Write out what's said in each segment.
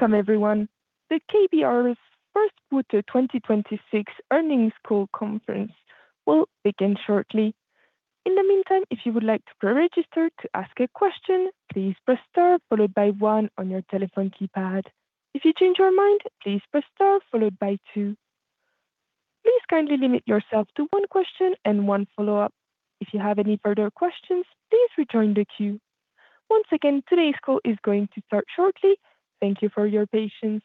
Welcome everyone. The KBR first quarter 2026 earnings call conference will begin shortly. In the meantime, if you would like to pre-register to ask a question, please press star followed by one on your telephone keypad. If you change your mind, please press star followed by two. Please kindly limit yourself to one question and one follow-up. If you have any further questions, please return the queue. Once again, today's call is going to start shortly. Thank you for your patience.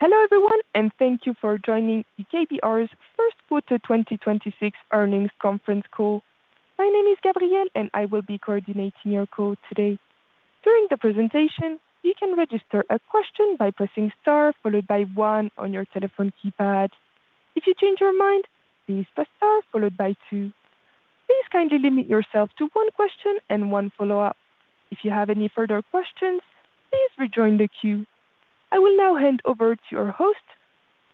Hello, everyone, and thank you for joining the KBR first quarter 2026 earnings conference call. My name is Gabrielle and I will be coordinating your call today. During the presentation, you can register a question by pressing star followed by one on your telephone keypad. If you change your mind, please press star followed by two. Please kindly limit yourself to one question and one follow-up. If you have any further questions, please rejoin the queue. I will now hand over to your host,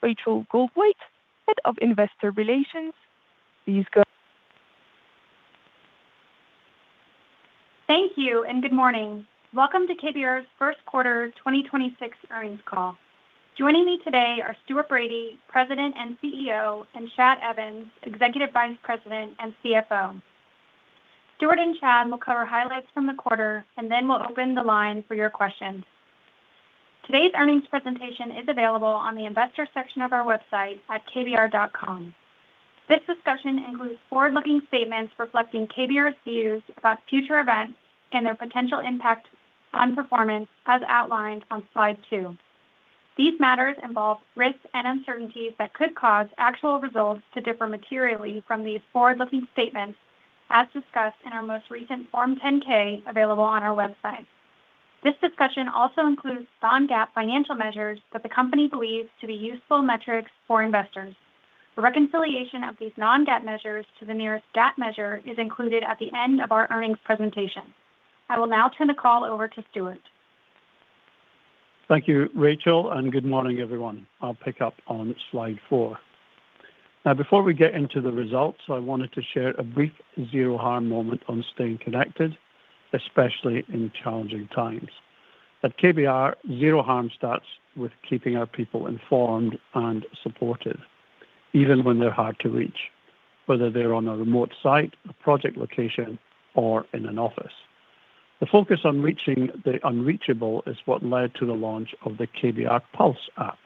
Rachael Goldwait, Head of Investor Relations. Thank you and good morning. Welcome to KBR first quarter 2026 earnings call. Joining me today are Stuart Bradie, President and CEO, and Shad Evans, Executive Vice President and CFO. Stuart and Shad will cover highlights from the quarter, and then we'll open the line for your questions. Today's earnings presentation is available on the Investor Section of our website at kbr.com. This discussion includes forward-looking statements reflecting KBR's views about future events and their potential impact on performance as outlined on slide two. These matters involve risks and uncertainties that could cause actual results to differ materially from these forward-looking statements as discussed in our most recent Form 10-K available on our website. This discussion also includes non-GAAP financial measures that the company believes to be useful metrics for investors. The reconciliation of these non-GAAP measures to the nearest GAAP measure is included at the end of our earnings presentation. I will now turn the call over to Stuart. Thank you, Rachael, and good morning, everyone. I'll pick up on slide four. Now, before we get into the results, I wanted to share a brief Zero Harm moment on staying connected, especially in challenging times. At KBR, Zero Harm starts with keeping our people informed and supported, even when they're hard to reach, whether they're on a remote site, a project location, or in an office. The focus on reaching the unreachable is what led to the launch of the KBR Pulse app.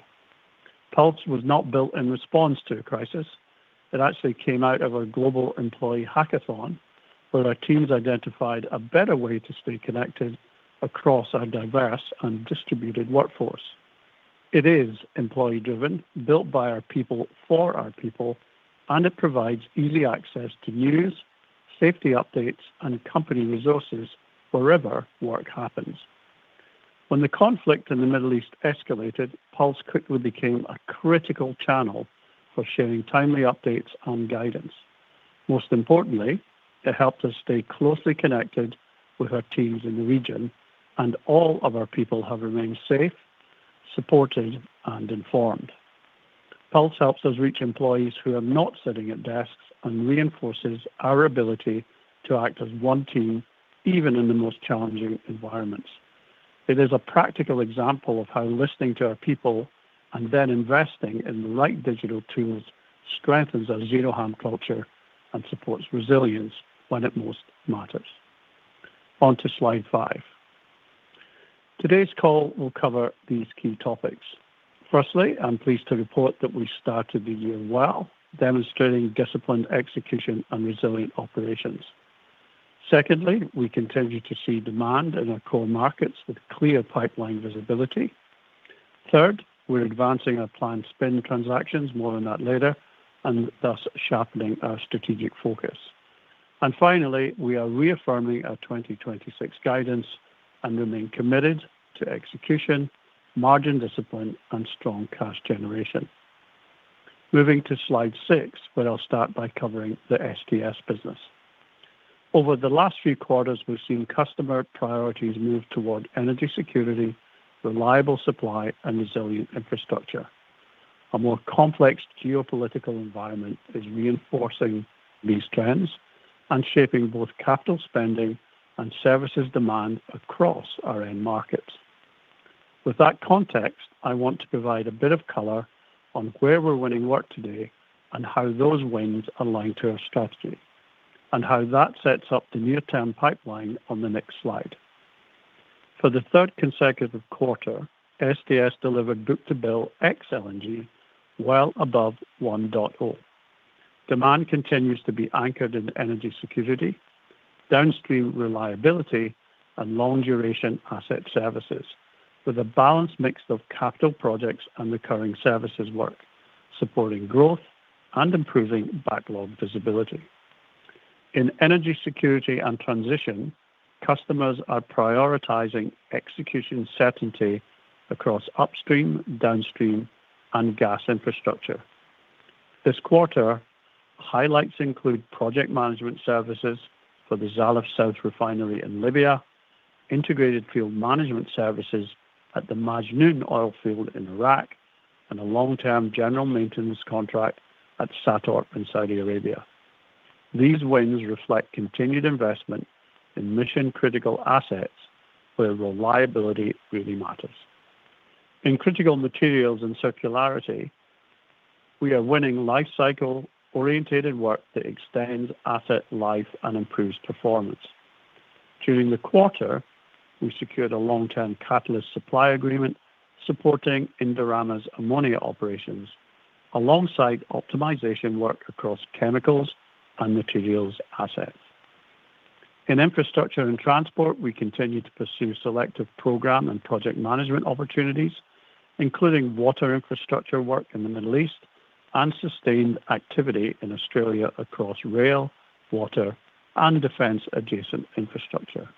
Pulse was not built in response to a crisis. It actually came out of a global employee hackathon, where our teams identified a better way to stay connected across our diverse and distributed workforce. It is employee-driven, built by our people for our people, and it provides easy access to news, safety updates, and company resources wherever work happens. When the conflict in the Middle East escalated, Pulse quickly became a critical channel for sharing timely updates and guidance. Most importantly, it helped us stay closely connected with our teams in the region, and all of our people have remained safe, supported, and informed. Pulse helps us reach employees who are not sitting at desks and reinforces our ability to act as one team, even in the most challenging environments. It is a practical example of how listening to our people and then investing in the right digital tools strengthens our Zero Harm culture and supports resilience when it most matters. On to slide five. Today's call will cover these key topics. Firstly, I'm pleased to report that we started the year well, demonstrating disciplined execution and resilient operations. Secondly, we continue to see demand in our core markets with clear pipeline visibility. Third, we're advancing our planned spend transactions, more on that later, and thus sharpening our strategic focus. Finally, we are reaffirming our 2026 guidance and remain committed to execution, margin discipline, and strong cash generation. Moving to slide six, where I'll start by covering the STS business. Over the last few quarters, we've seen customer priorities move toward energy security, reliable supply, and resilient infrastructure. A more complex geopolitical environment is reinforcing these trends and shaping both capital spending and services demand across our end markets. With that context, I want to provide a bit of color on where we're winning work today and how those wins align to our strategy, and how that sets up the near-term pipeline on the next slide. For the third consecutive quarter, STS delivered book-to-bill ex LNG well above 1.0. Demand continues to be anchored in energy security, downstream reliability, and long-duration asset services, with a balanced mix of capital projects and recurring services work, supporting growth and improving backlog visibility. In energy security and transition, customers are prioritizing execution certainty across upstream, downstream, and gas infrastructure. This quarter, highlights include project management services for the Zallaf South Refinery in Libya, integrated field management services at the Majnoon Oil Field in Iraq, and a long-term general maintenance contract at SATORP in Saudi Arabia. These wins reflect continued investment in mission-critical assets where reliability really matters. In critical materials and circularity, we are winning life cycle-orientated work that extends asset life and improves performance. During the quarter, we secured a long-term catalyst supply agreement supporting Indorama's ammonia operations, alongside optimization work across chemicals and materials assets. In infrastructure and transport, we continue to pursue selective program and project management opportunities, including water infrastructure work in the Middle East and sustained activity in Australia across rail, water, and defense-adjacent infrastructure.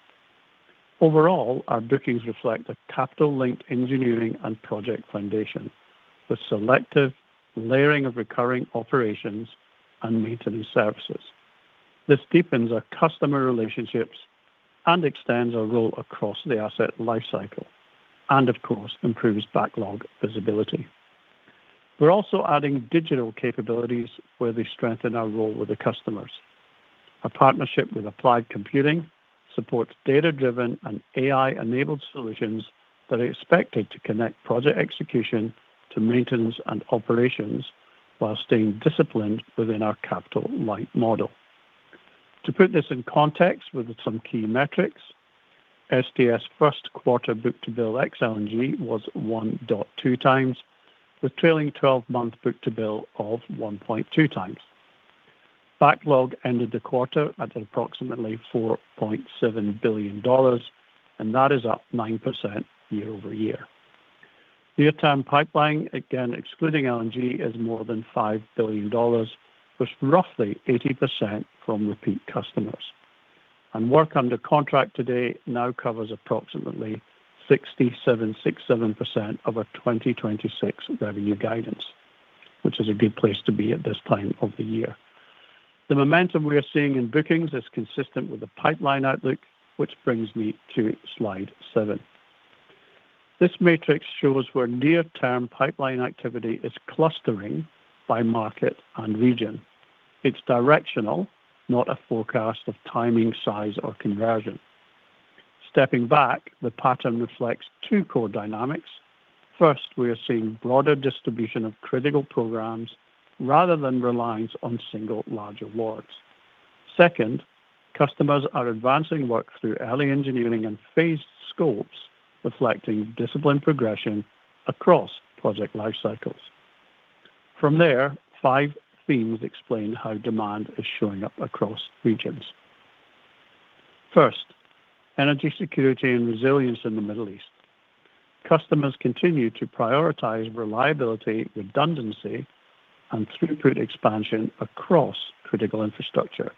Overall, our bookings reflect a capital-linked engineering and project foundation with selective layering of recurring operations and maintenance services. This deepens our customer relationships and extends our role across the asset life cycle, and of course, improves backlog visibility. We're also adding digital capabilities where they strengthen our role with the customers. A partnership with Applied Computing supports data-driven and AI-enabled solutions that are expected to connect project execution to maintenance and operations while staying disciplined within our capital-light model. To put this in context with some key metrics, STS first quarter book-to-bill ex LNG was 1.2x, with trailing 12-month book-to-bill of 1.2x. Backlog ended the quarter at approximately $4.7 billion, that is up 9% year-over-year. Near-term pipeline, again excluding LNG, is more than $5 billion, with roughly 80% from repeat customers. Work under contract today now covers approximately 67% of our 2026 revenue guidance, which is a good place to be at this time of the year. The momentum we are seeing in bookings is consistent with the pipeline outlook, which brings me to slide seven. This matrix shows where near-term pipeline activity is clustering by market and region. It's directional, not a forecast of timing, size, or conversion. Stepping back, the pattern reflects two core dynamics. First, we are seeing broader distribution of critical programs rather than reliance on single large awards. Second, customers are advancing work through early engineering and phased scopes, reflecting disciplined progression across project life cycles. From there, five themes explain how demand is showing up across regions. First, energy security and resilience in the Middle East. Customers continue to prioritize reliability, redundancy, and throughput expansion across critical infrastructure.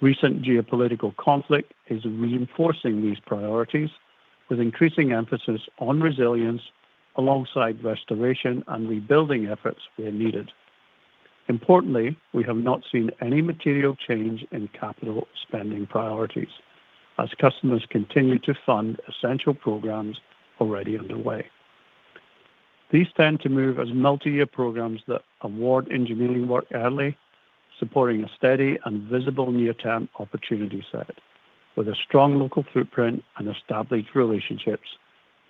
Recent geopolitical conflict is reinforcing these priorities with increasing emphasis on resilience alongside restoration and rebuilding efforts where needed. Importantly, we have not seen any material change in capital spending priorities as customers continue to fund essential programs already underway. These tend to move as multi-year programs that award engineering work early, supporting a steady and visible near-term opportunity set. With a strong local footprint and established relationships,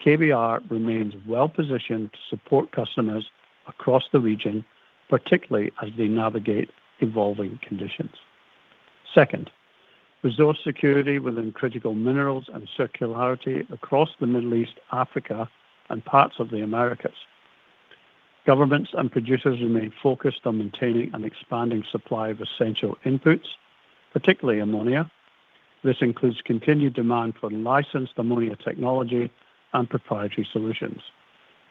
KBR remains well-positioned to support customers across the region, particularly as they navigate evolving conditions. Second, resource security within critical minerals and circularity across the Middle East, Africa, and parts of the Americas. Governments and producers remain focused on maintaining an expanding supply of essential inputs, particularly ammonia. This includes continued demand for licensed ammonia technology and proprietary solutions,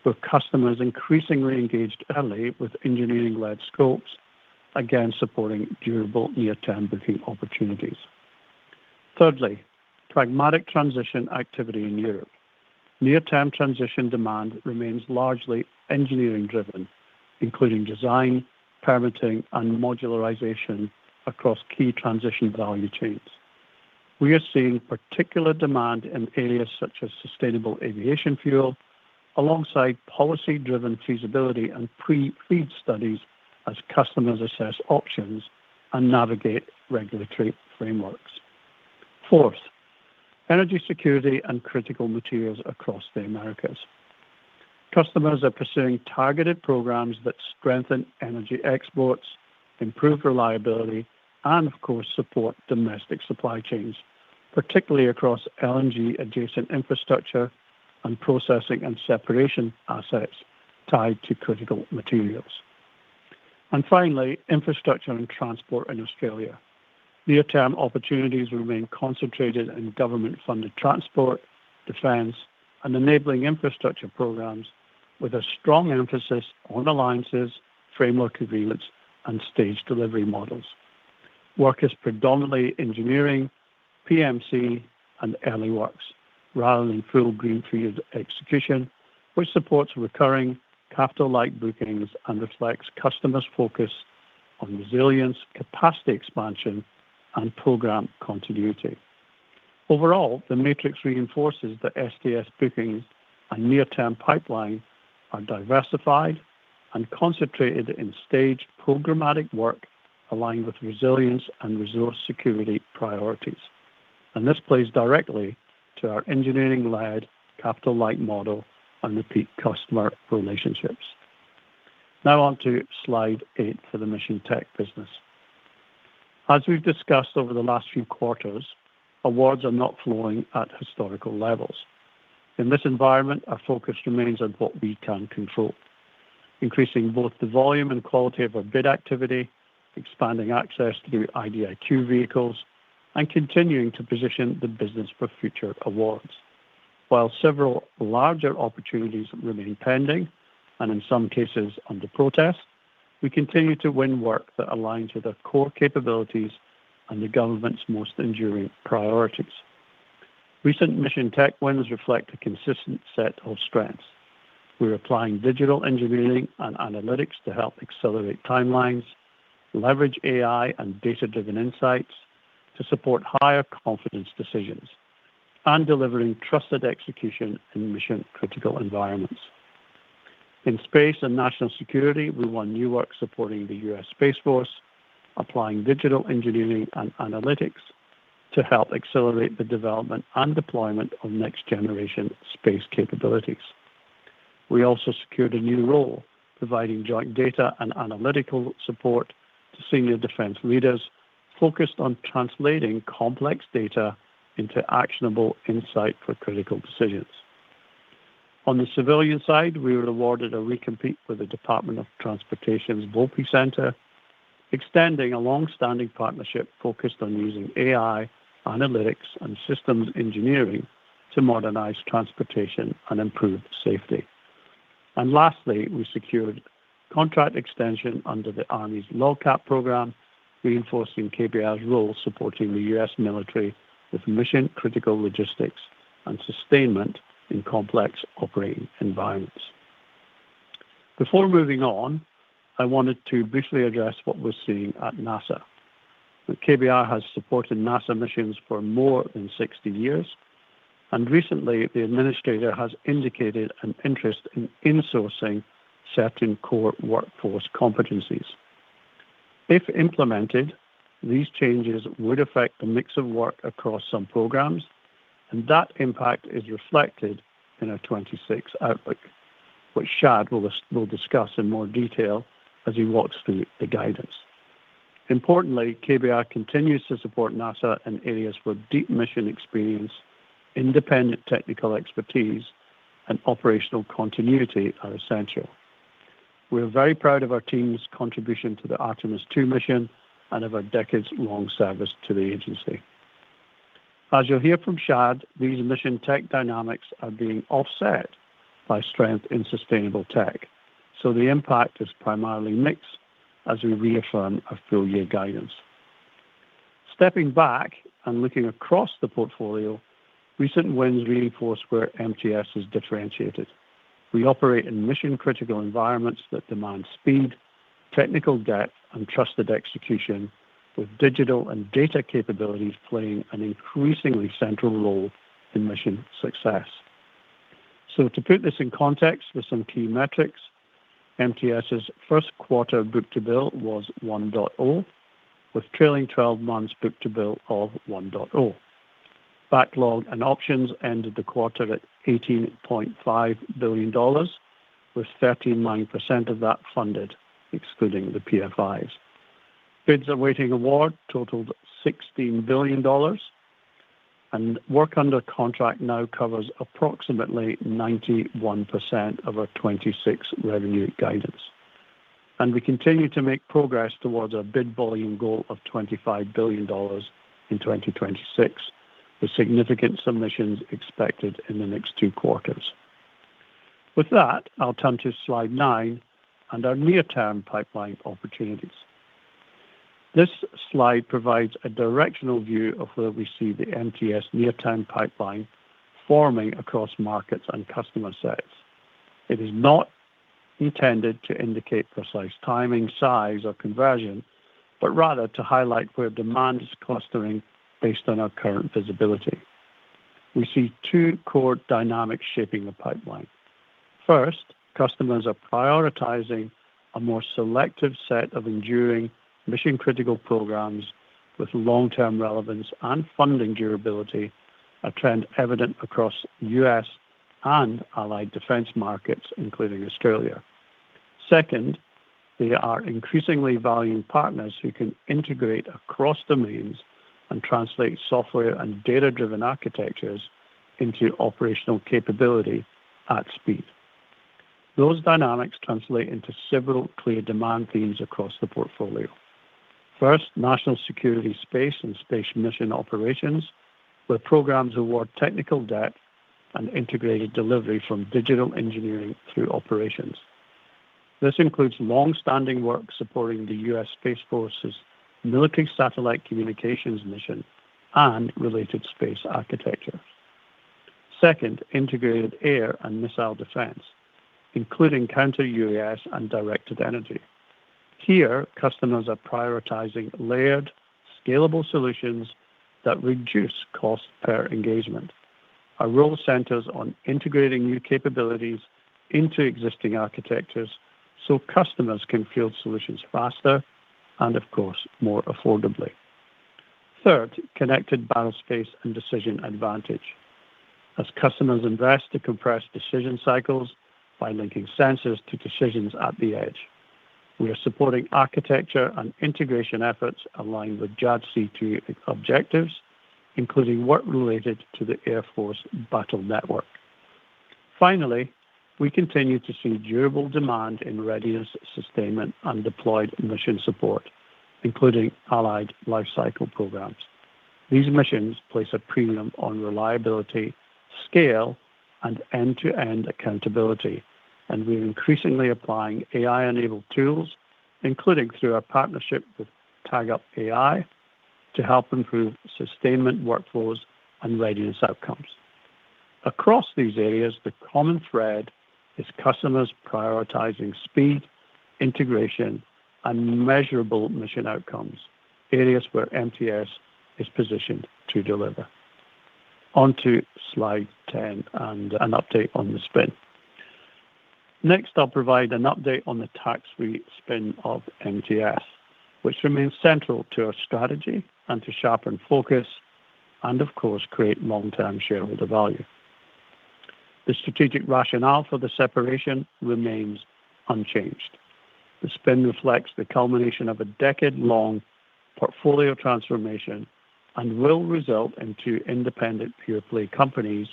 with customers increasingly engaged early with engineering-led scopes, again supporting durable near-term booking opportunities. Thirdly, pragmatic transition activity in Europe. Near-term transition demand remains largely engineering-driven, including design, permitting, and modularization across key transition value chains. We are seeing particular demand in areas such as sustainable aviation fuel alongside policy-driven feasibility and pre-FEED studies as customers assess options and navigate regulatory frameworks. Fourth, energy security and critical materials across the Americas. Customers are pursuing targeted programs that strengthen energy exports, improve reliability, and of course, support domestic supply chains, particularly across LNG-adjacent infrastructure and processing and separation assets tied to critical materials. Finally, infrastructure and transport in Australia. Near-term opportunities remain concentrated in government-funded transport, defense, and enabling infrastructure programs with a strong emphasis on alliances, framework agreements, and staged delivery models. Work is predominantly engineering, PMC, and early works rather than full greenfield execution, which supports recurring capital-like bookings and reflects customer's focus on resilience, capacity expansion, and program continuity. Overall, the matrix reinforces that STS bookings and near-term pipeline are diversified and concentrated in staged programmatic work aligned with resilience and resource security priorities. This plays directly to our engineering-led, capital-light model and repeat customer relationships. Now on to slide eight for the Mission Tech business. As we've discussed over the last few quarters, awards are not flowing at historical levels. In this environment, our focus remains on what we can control, increasing both the volume and quality of our bid activity, expanding access through IDIQ vehicles, and continuing to position the business for future awards. While several larger opportunities remain pending, and in some cases under protest, we continue to win work that aligns with our core capabilities and the government's most enduring priorities. Recent Mission Tech wins reflect a consistent set of strengths. We're applying digital engineering and analytics to help accelerate timelines, leverage AI and data-driven insights to support higher confidence decisions, and delivering trusted execution in mission-critical environments. In space and national security, we won new work supporting the U.S. Space Force, applying digital engineering and analytics to help accelerate the development and deployment of next-generation space capabilities. We also secured a new role providing joint data and analytical support to senior defense leaders focused on translating complex data into actionable insight for critical decisions. On the civilian side, we were awarded a recompete with the Department of Transportation Volpe Center, extending a long-standing partnership focused on using AI, analytics, and systems engineering to modernize transportation and improve safety. Lastly, we secured contract extension under the Army's LOGCAP program, reinforcing KBR's role supporting the U.S. military with mission-critical logistics and sustainment in complex operating environments. Before moving on, I wanted to briefly address what we're seeing at NASA. KBR has supported NASA missions for more than 60 years, and recently, the administrator has indicated an interest in insourcing certain core workforce competencies. If implemented, these changes would affect the mix of work across some programs, and that impact is reflected in our 2026 outlook, which Shad will discuss in more detail as he walks through the guidance. Importantly, KBR continues to support NASA in areas where deep mission experience, independent technical expertise, and operational continuity are essential. We are very proud of our team's contribution to the Artemis II mission and of our decades-long service to the agency. As you'll hear from Shad, these Mission Tech dynamics are being offset by strength in Sustainable Tech, so the impact is primarily mixed as we reaffirm our full-year guidance. Stepping back and looking across the portfolio, recent wins reinforce where MTS is differentiated. We operate in mission-critical environments that demand speed, technical depth, and trusted execution, with digital and data capabilities playing an increasingly central role in mission success. To put this in context with some key metrics, MTS's first quarter book-to-bill was 1.0, with trailing 12 months book-to-bill of 1.0. Backlog and options ended the quarter at $18.5 billion, with 39% of that funded, excluding the PFIs. Bids awaiting award totaled $16 billion. Work under contract now covers approximately 91% of our 2026 revenue guidance. We continue to make progress towards our bid volume goal of $25 billion in 2026, with significant submissions expected in the next two quarters. With that, I'll turn to slide nine and our near-term pipeline opportunities. This slide provides a directional view of where we see the MTS near-term pipeline forming across markets and customer sets. It is not intended to indicate precise timing, size, or conversion, but rather to highlight where demand is clustering based on our current visibility. We see two core dynamics shaping the pipeline. First, customers are prioritizing a more selective set of enduring mission-critical programs with long-term relevance and funding durability, a trend evident across U.S. and allied defense markets, including Australia. Second, they are increasingly valuing partners who can integrate across domains and translate software and data-driven architectures into operational capability at speed. Those dynamics translate into several clear demand themes across the portfolio. First, national security space and space mission operations, where programs award technical depth and integrated delivery from digital engineering through operations. This includes long-standing work supporting the U.S. Space Force's military satellite communications mission and related space architectures. Second, Integrated Air and Missile Defense, including counter-UAS and directed energy. Here, customers are prioritizing layered, scalable solutions that reduce cost per engagement. Our role centers on integrating new capabilities into existing architectures so customers can field solutions faster and, of course, more affordably. Third, connected battlespace and decision advantage. As customers invest to compress decision cycles by linking sensors to decisions at the edge, we are supporting architecture and integration efforts aligned with JADC2 objectives, including work related to the Air Force Battle Network. Finally, we continue to see durable demand in readiness sustainment and deployed mission support, including allied lifecycle programs. These missions place a premium on reliability, scale, and end-to-end accountability, and we're increasingly applying AI-enabled tools, including through our partnership with Tagup AI, to help improve sustainment workflows and readiness outcomes. Across these areas, the common thread is customers prioritizing speed, integration, and measurable mission outcomes, areas where MTS is positioned to deliver. On to slide 10 and an update on the spin. Next, I'll provide an update on the tax-free spin of MTS, which remains central to our strategy and to sharpen focus and, of course, create long-term shareholder value. The strategic rationale for the separation remains unchanged. The spin reflects the culmination of a decade-long portfolio transformation and will result in two independent pure-play companies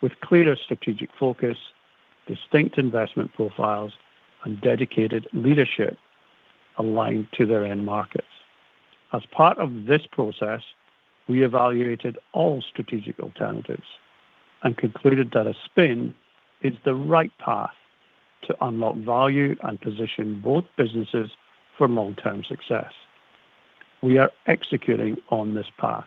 with clearer strategic focus, distinct investment profiles, and dedicated leadership aligned to their end markets. As part of this process, we evaluated all strategic alternatives and concluded that a spin is the right path to unlock value and position both businesses for long-term success. We are executing on this path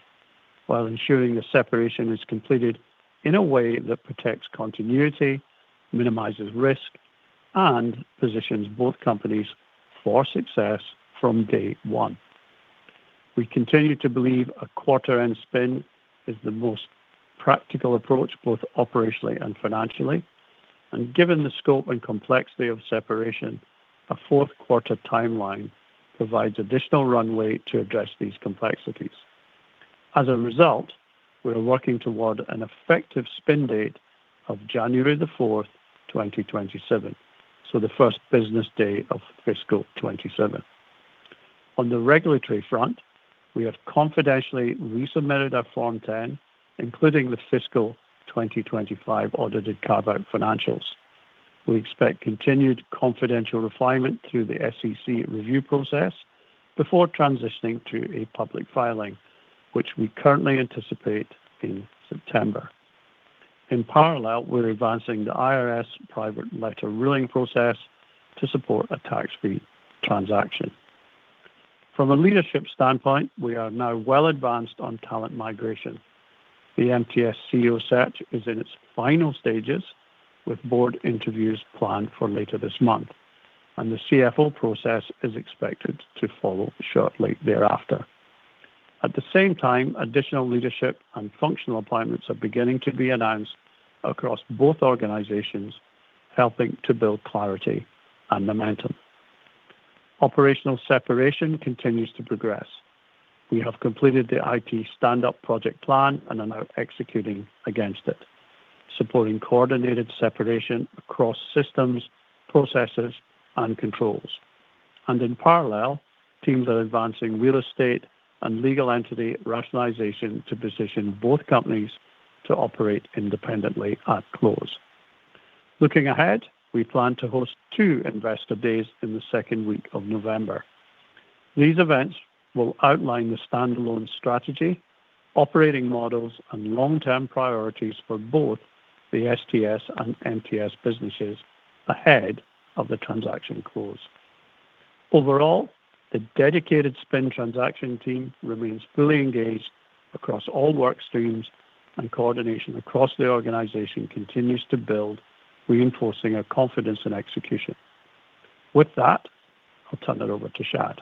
while ensuring the separation is completed in a way that protects continuity, minimizes risk, and positions both companies for success from day one. We continue to believe a quarter-end spin is the most practical approach, both operationally and financially, and given the scope and complexity of separation, a fourth quarter timeline provides additional runway to address these complexities. As a result, we're working toward an effective spin date of January 4th, 2027, so the first business day of fiscal 2027. On the regulatory front, we have confidentially resubmitted our Form 10, including the fiscal 2025 audited carve-out financials. We expect continued confidential refinement through the SEC review process before transitioning to a public filing, which we currently anticipate in September. In parallel, we're advancing the IRS private letter ruling process to support a tax-free transaction. From a leadership standpoint, we are now well advanced on talent migration. The MTS CEO search is in its final stages, with board interviews planned for later this month, and the CFO process is expected to follow shortly thereafter. At the same time, additional leadership and functional appointments are beginning to be announced across both organizations, helping to build clarity and momentum. Operational separation continues to progress. We have completed the IT stand-up project plan and are now executing against it, supporting coordinated separation across systems, processes, and controls. In parallel, teams are advancing real estate and legal entity rationalization to position both companies to operate independently at close. Looking ahead, we plan to host two Investor Days in the second week of November. These events will outline the standalone strategy, operating models, and long-term priorities for both the STS and MTS businesses ahead of the transaction close. Overall, the dedicated spin transaction team remains fully engaged across all work streams, and coordination across the organization continues to build, reinforcing our confidence in execution. With that, I'll turn it over to Shad.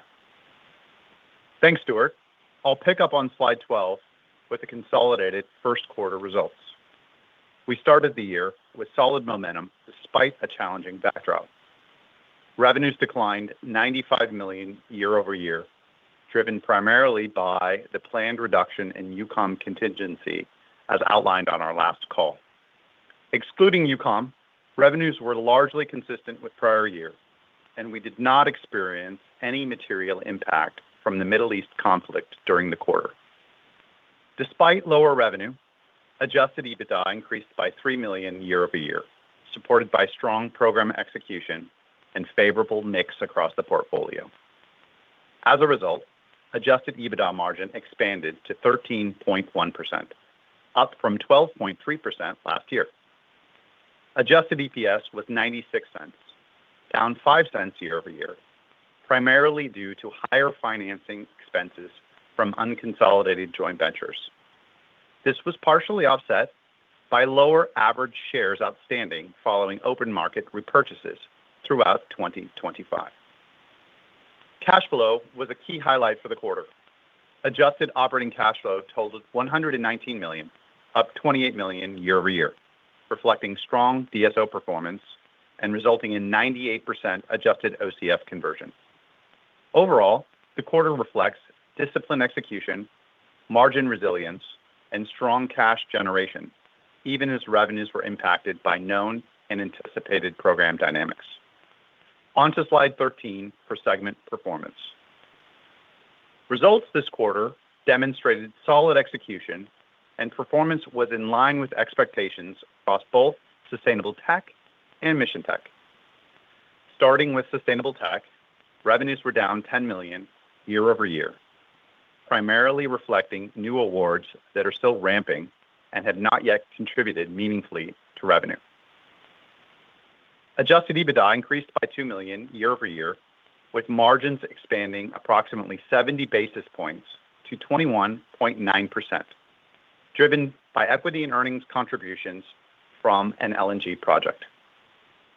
Thanks, Stuart. I'll pick up on slide 12 with the consolidated first quarter results. We started the year with solid momentum despite a challenging backdrop. Revenues declined $95 million year-over-year, driven primarily by the planned reduction in EUCOM contingency as outlined on our last call. Excluding EUCOM, revenues were largely consistent with prior year, and we did not experience any material impact from the Middle East conflict during the quarter. Despite lower revenue, adjusted EBITDA increased by $3 million year-over-year, supported by strong program execution and favorable mix across the portfolio. As a result, adjusted EBITDA margin expanded to 13.1%, up from 12.3% last year. Adjusted EPS was $0.96, down $0.05 year-over-year, primarily due to higher financing expenses from unconsolidated joint ventures. This was partially offset by lower average shares outstanding following open market repurchases throughout 2025. Cash flow was a key highlight for the quarter. Adjusted operating cash flow totaled $119 million, up $28 million year-over-year, reflecting strong DSO performance and resulting in 98% adjusted OCF conversion. Overall, the quarter reflects disciplined execution, margin resilience, and strong cash generation, even as revenues were impacted by known and anticipated program dynamics. On to slide 13 for segment performance. Results this quarter demonstrated solid execution, and performance was in line with expectations across both Sustainable Tech and Mission Tech. Starting with Sustainable Tech, revenues were down $10 million year-over-year, primarily reflecting new awards that are still ramping and have not yet contributed meaningfully to revenue. Adjusted EBITDA increased by $2 million year-over-year, with margins expanding approximately 70 basis points to 21.9%, driven by equity and earnings contributions from an LNG project.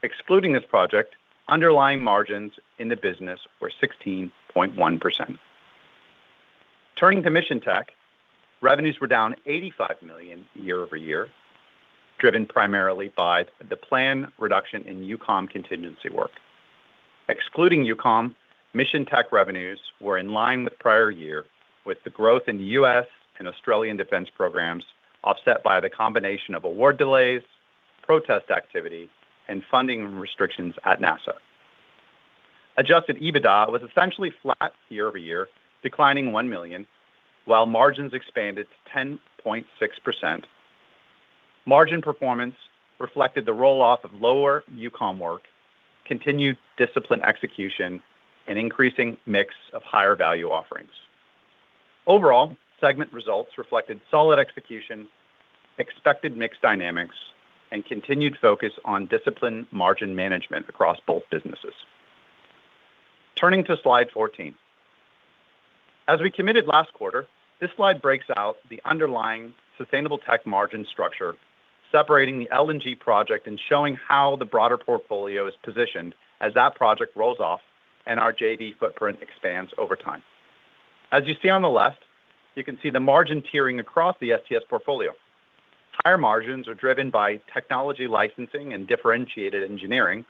Excluding this project, underlying margins in the business were 16.1%. Turning to Mission Tech, revenues were down $85 million year-over-year, driven primarily by the planned reduction in EUCOM contingency work. Excluding EUCOM, Mission Tech revenues were in line with prior year, with the growth in U.S. and Australian defense programs offset by the combination of award delays, protest activity, and funding restrictions at NASA. Adjusted EBITDA was essentially flat year-over-year, declining $1 million, while margins expanded to 10.6%. Margin performance reflected the roll-off of lower EUCOM work, continued disciplined execution, and increasing mix of higher-value offerings. Overall, segment results reflected solid execution, expected mix dynamics, and continued focus on disciplined margin management across both businesses. Turning to slide 14. As we committed last quarter, this slide breaks out the underlying Sustainable Tech margin structure, separating the LNG project and showing how the broader portfolio is positioned as that project rolls off and our JV footprint expands over time. As you see on the left, you can see the margin tiering across the STS portfolio. Higher margins are driven by technology licensing and differentiated engineering,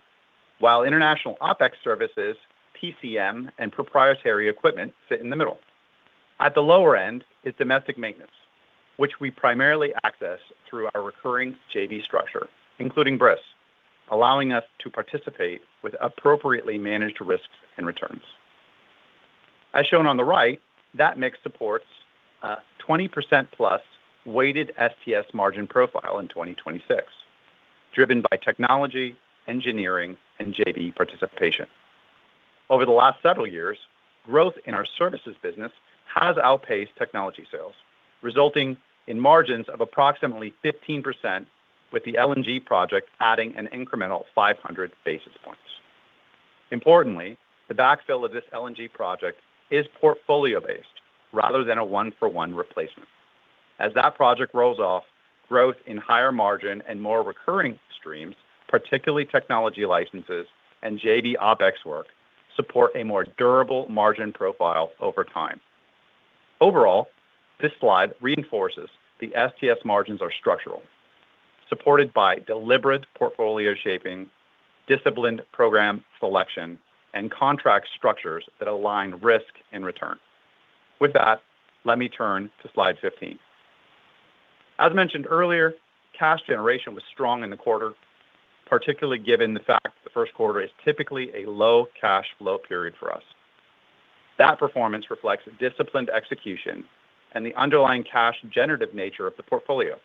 while international OpEx services, [PMC], and proprietary equipment sit in the middle. At the lower end is domestic maintenance, which we primarily access through our recurring JV structure, including BRIS, allowing us to participate with appropriately managed risks and returns. As shown on the right, that mix supports a 20%+ weighted STS margin profile in 2026, driven by technology, engineering, and JV participation. Over the last several years, growth in our services business has outpaced technology sales, resulting in margins of approximately 15%, with the LNG project adding an incremental 500 basis points. Importantly, the backfill of this LNG project is portfolio-based rather than a one-for-one replacement. As that project rolls off, growth in higher margin and more recurring streams, particularly technology licenses and JV OpEx work, support a more durable margin profile over time. Overall, this slide reinforces the STS margins are structural, supported by deliberate portfolio shaping, disciplined program selection, and contract structures that align risk and return. With that, let me turn to slide 15. As mentioned earlier, cash generation was strong in the quarter, particularly given the fact that the first quarter is typically a low cash flow period for us. That performance reflects disciplined execution and the underlying cash generative nature of the portfolio.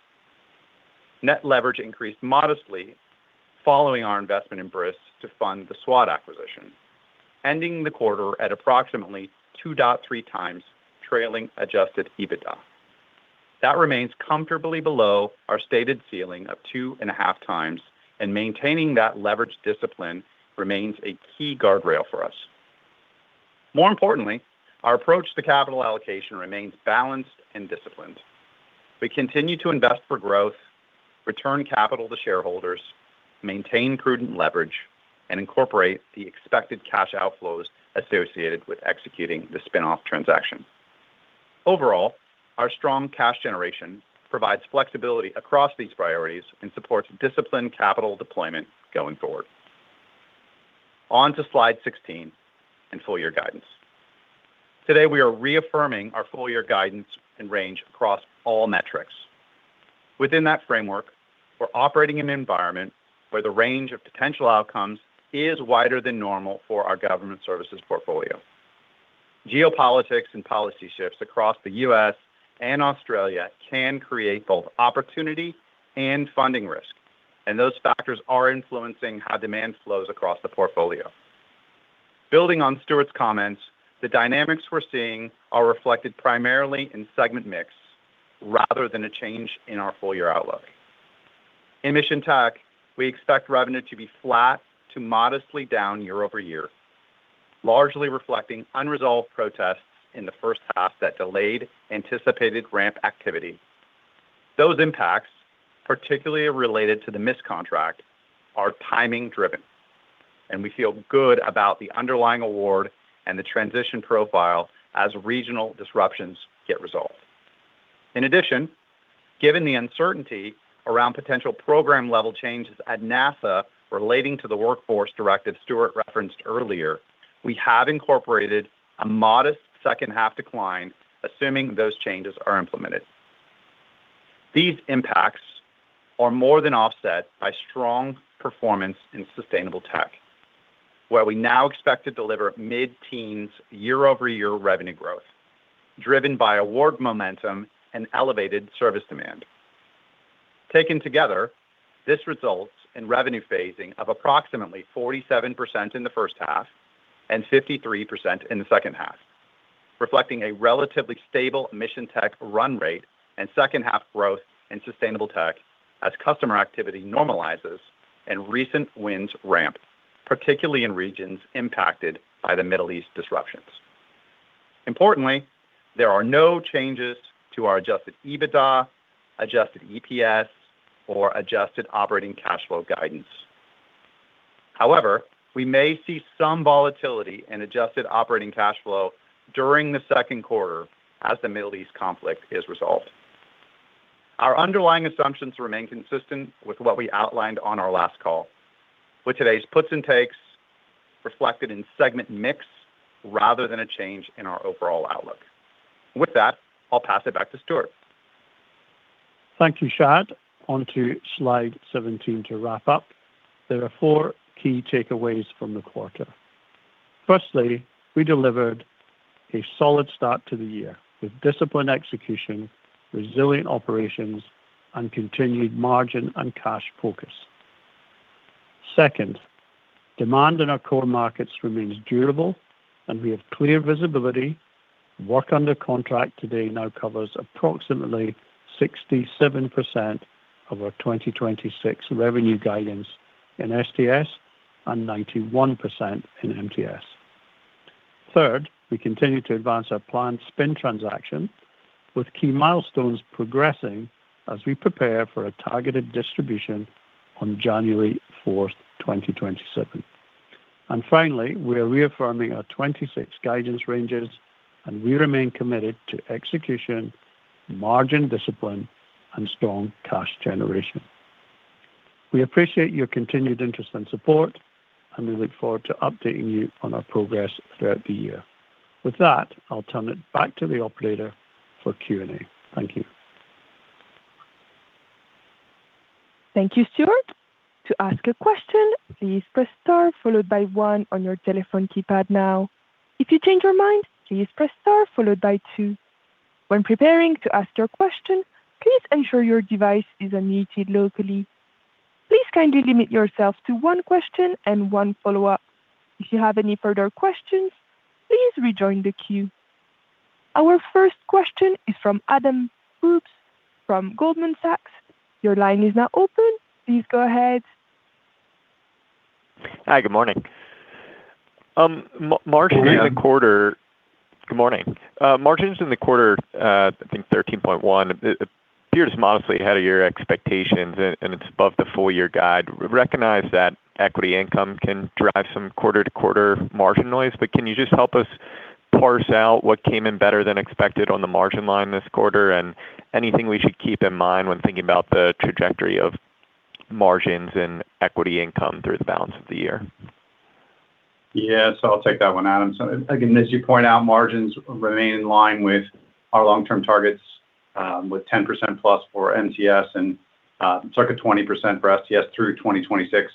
Net leverage increased modestly following our investment in BRIS to fund the SWAT acquisition, ending the quarter at approximately 2.3x trailing adjusted EBITDA. That remains comfortably below our stated ceiling of 2.5x, maintaining that leverage discipline remains a key guardrail for us. More importantly, our approach to capital allocation remains balanced and disciplined. We continue to invest for growth, return capital to shareholders, maintain prudent leverage, and incorporate the expected cash outflows associated with executing the spin-off transaction. Overall, our strong cash generation provides flexibility across these priorities and supports disciplined capital deployment going forward. On to slide 16 and full-year guidance. Today, we are reaffirming our full-year guidance and range across all metrics. Within that framework, we're operating an environment where the range of potential outcomes is wider than normal for our government services portfolio. Geopolitics and policy shifts across the U.S. and Australia can create both opportunity and funding risk, and those factors are influencing how demand flows across the portfolio. Building on Stuart's comments, the dynamics we're seeing are reflected primarily in segment mix rather than a change in our full-year outlook. In Mission Tech, we expect revenue to be flat to modestly down year-over-year, largely reflecting unresolved protests in the first half that delayed anticipated ramp activity. Those impacts, particularly related to the MISS contract, are timing-driven, and we feel good about the underlying award and the transition profile as regional disruptions get resolved. Given the uncertainty around potential program-level changes at NASA relating to the workforce directive Stuart referenced earlier, we have incorporated a modest second half decline, assuming those changes are implemented. These impacts are more than offset by strong performance in Sustainable Tech, where we now expect to deliver mid-teens year-over-year revenue growth, driven by award momentum and elevated service demand. Taken together, this results in revenue phasing of approximately 47% in the first half and 53% in the second half, reflecting a relatively stable Mission Tech run rate and second half growth in Sustainable Tech as customer activity normalizes and recent wins ramp, particularly in regions impacted by the Middle East disruptions. Importantly, there are no changes to our adjusted EBITDA, adjusted EPS, or adjusted operating cash flow guidance. However, we may see some volatility in adjusted operating cash flow during the second quarter as the Middle East conflict is resolved. Our underlying assumptions remain consistent with what we outlined on our last call, with today's puts and takes reflected in segment mix rather than a change in our overall outlook. With that, I'll pass it back to Stuart. Thank you, Shad. On to slide 17 to wrap up. There are four key takeaways from the quarter. Firstly, we delivered a solid start to the year with disciplined execution, resilient operations, and continued margin and cash focus. Second, demand in our core markets remains durable, and we have clear visibility. Work under contract today now covers approximately 67% of our 2026 revenue guidance in STS and 91% in MTS. Third, we continue to advance our planned spin transaction with key milestones progressing as we prepare for a targeted distribution on January 4th, 2027. Finally, we are reaffirming our 2026 guidance ranges, and we remain committed to execution, margin discipline, and strong cash generation. We appreciate your continued interest and support, and we look forward to updating you on our progress throughout the year. With that, I'll turn it back to the operator for Q&A. Thank you. Thank you, Stuart. To ask a question, please press star followed by one on your telephone keypad now. If you change your mind, please press star followed by two. When preparing to ask your question, please ensure your device is unmuted locally. Please kindly limit yourself to one question and one follow-up. If you have any further questions, please rejoin the queue. Our first question is from Adam Bubes from Goldman Sachs. Your line is now open. Please go ahead. Hi, good morning. margins- Good morning. Good morning. Margins in the quarter, I think 13.1, it appears modestly ahead of your expectations, and it's above the full-year guide. Recognize that equity income can drive some quarter-to-quarter margin noise. Can you just help us parse out what came in better than expected on the margin line this quarter, and anything we should keep in mind when thinking about the trajectory of margins and equity income through the balance of the year? Yes, I'll take that one, Adam. Again, as you point out, margins remain in line with our long-term targets, with 10%+ for MTS and circa 20% for STS through 2026.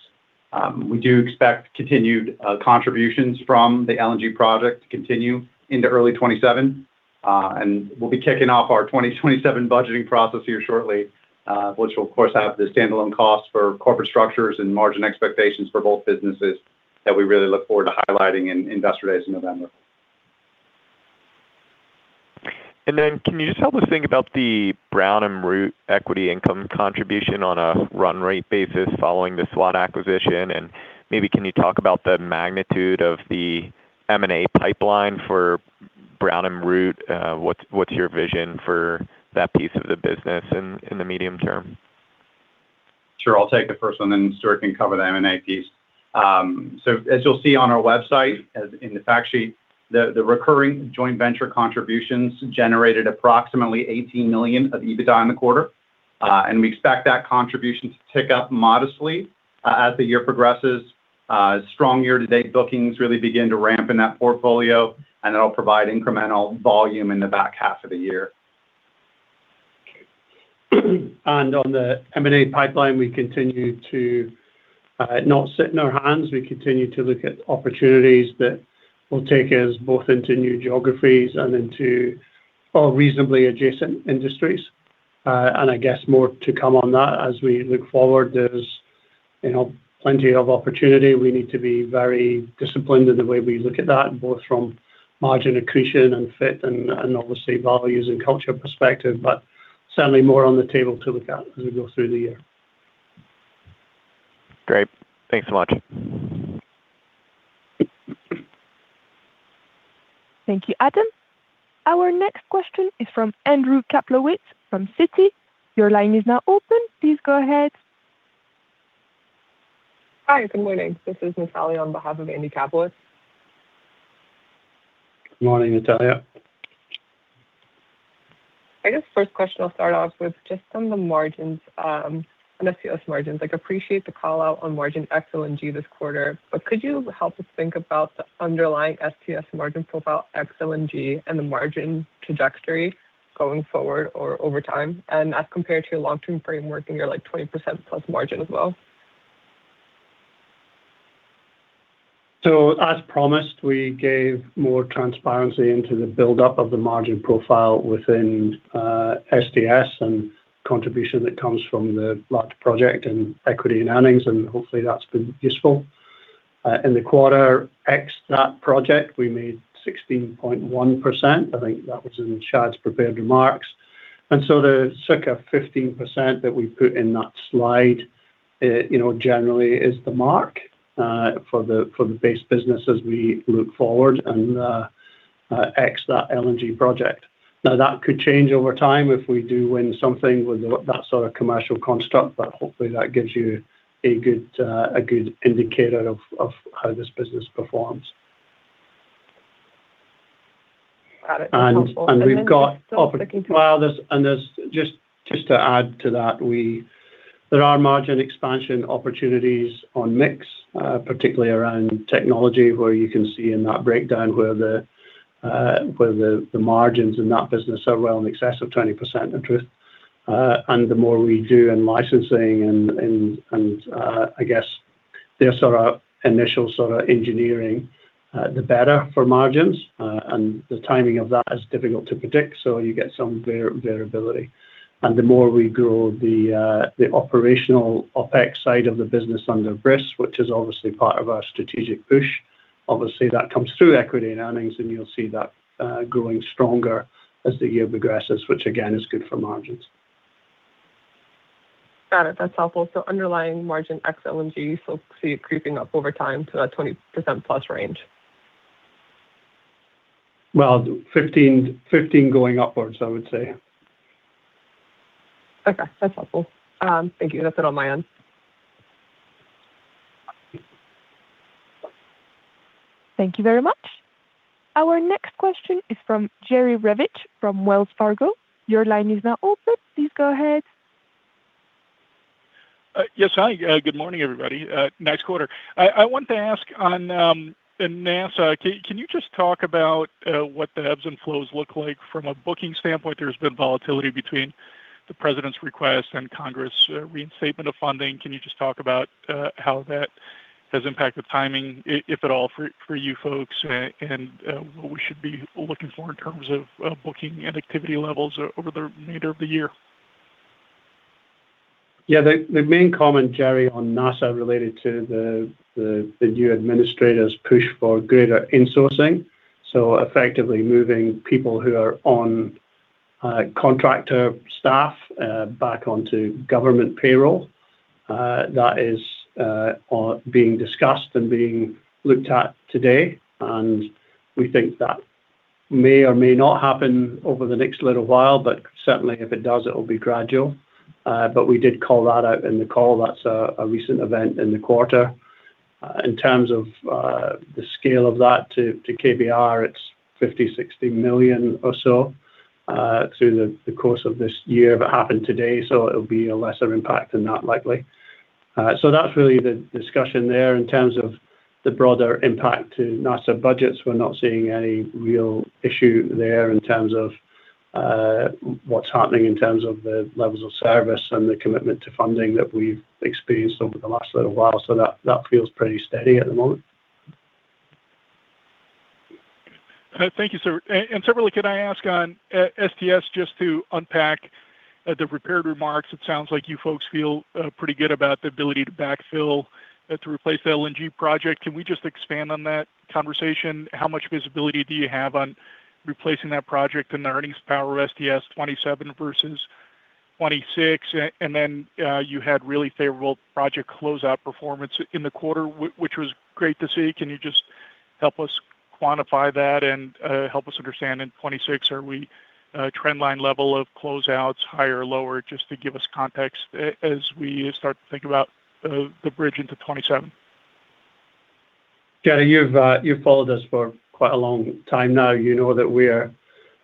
We do expect continued contributions from the LNG project to continue into early 2027. We'll be kicking off our 2027 budgeting process here shortly, which will of course have the standalone cost for corporate structures and margin expectations for both businesses that we really look forward to highlighting in Investor Days in November. Can you just help us think about the Brown & Root equity income contribution on a run rate basis following the SWAT acquisition, and maybe can you talk about the magnitude of the M&A pipeline for Brown & Root, what's your vision for that piece of the business in the medium term? Sure. I'll take the first one, then Stuart can cover the M&A piece. As you'll see on our website, as in the fact sheet, the recurring joint venture contributions generated approximately $18 million of EBITDA in the quarter. We expect that contribution to tick up modestly as the year progresses, as strong year-to-date bookings really begin to ramp in that portfolio, and that'll provide incremental volume in the back half of the year. On the M&A pipeline, we continue to not sit on our hands. We continue to look at opportunities that will take us both into new geographies and into reasonably adjacent industries. I guess more to come on that as we look forward. There's, you know, plenty of opportunity. We need to be very disciplined in the way we look at that, both from margin accretion and fit and obviously values and culture perspective, but certainly more on the table to look at as we go through the year. Great. Thanks so much. Thank you, Adam. Our next question is from Andrew Kaplowitz from Citi. Your line is now open. Please go ahead. Hi, good morning. This is Natalia on behalf of Andy Kaplowitz. Morning, Natalia. I guess first question I'll start off with just on the margins, on STS margins. I appreciate the call out on margin ex LNG this quarter, but could you help us think about the underlying STS margin profile ex LNG and the margin trajectory going forward or over time, and as compared to your long-term framework in your, like, 20%+ margin as well? As promised, we gave more transparency into the build-up of the margin profile within STS and contribution that comes from the large project and equity in earnings, and hopefully that's been useful. In the quarter, ex that project, we made 16.1%. I think that was in Shad's prepared remarks. The circa 15% that we put in that slide, you know, generally is the mark for the base business as we look forward and ex that LNG project. Now, that could change over time if we do win something with that sort of commercial construct, but hopefully that gives you a good indicator of how this business performs. Got it. That's helpful. Just to add to that, we've got margin expansion opportunities on mix, particularly around technology where you can see in that breakdown where the margins in that business are well in excess of 20%. The more we do in licensing and, I guess, their sort of initial sort of engineering, the better for margins. The timing of that is difficult to predict, so you get some variability. The more we grow the operational OpEx side of the business under BRIS, which is obviously part of our strategic push, obviously that comes through equity and earnings, and you'll see that growing stronger as the year progresses, which again, is good for margins. Got it. That's helpful. Underlying margin ex LNG, see it creeping up over time to that 20%+ range. Well, 15% going upwards, I would say. Okay. That's helpful. Thank you. That's it on my end. Thank you very much. Our next question is from Jerry Revich from Wells Fargo. Your line is now open. Please go ahead. Yes. Hi. Good morning, everybody. Nice quarter. I wanted to ask on, in NASA, can you just talk about what the ebbs and flows look like from a booking standpoint? There's been volatility between the president's request and Congress, reinstatement of funding. Can you just talk about how that has impacted timing, if at all, for you folks and what we should be looking for in terms of booking and activity levels over the remainder of the year? The main comment, Jerry, on NASA related to the new administrator's push for greater insourcing. Effectively moving people who are on contractor staff back onto government payroll. That is being discussed and being looked at today. We think that may or may not happen over the next little while, certainly if it does, it'll be gradual. We did call that out in the call. That's a recent event in the quarter. In terms of the scale of that to KBR, it's $50 million-$60 million or so through the course of this year. It happened today, it'll be a lesser impact than that likely. That's really the discussion there. In terms of the broader impact to NASA budgets, we're not seeing any real issue there in terms of what's happening in terms of the levels of service and the commitment to funding that we've experienced over the last little while. That feels pretty steady at the moment. Thank you, sir. Separately, can I ask on STS just to unpack the prepared remarks? It sounds like you folks feel pretty good about the ability to backfill to replace the LNG project. Can we just expand on that conversation? How much visibility do you have on replacing that project in the earnings power of STS 2027 versus 2026? You had really favorable project closeout performance in the quarter, which was great to see. Can you just help us quantify that and help us understand in 2026, are we trend line level of closeouts higher or lower? Just to give us context as we start to think about the bridge into 2027. Jerry, you've followed us for quite a long time now. You know that we are,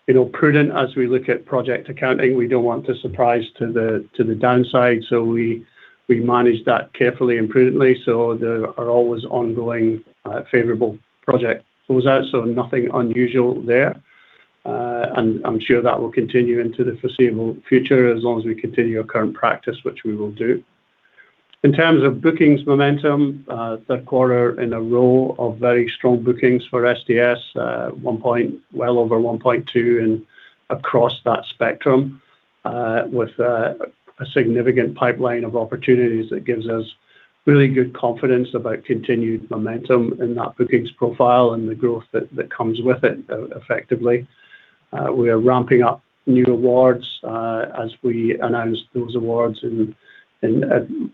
you know, prudent as we look at project accounting. We don't want a surprise to the, to the downside. We manage that carefully and prudently. There are always ongoing, favorable project closeouts, so nothing unusual there. I'm sure that will continue into the foreseeable future as long as we continue our current practice, which we will do. In terms of bookings momentum, third quarter in a row of very strong bookings for STS, Well over 1.2 and across that spectrum, with a significant pipeline of opportunities that gives us really good confidence about continued momentum in that bookings profile and the growth that comes with it, effectively. We are ramping up new awards, as we announced those awards in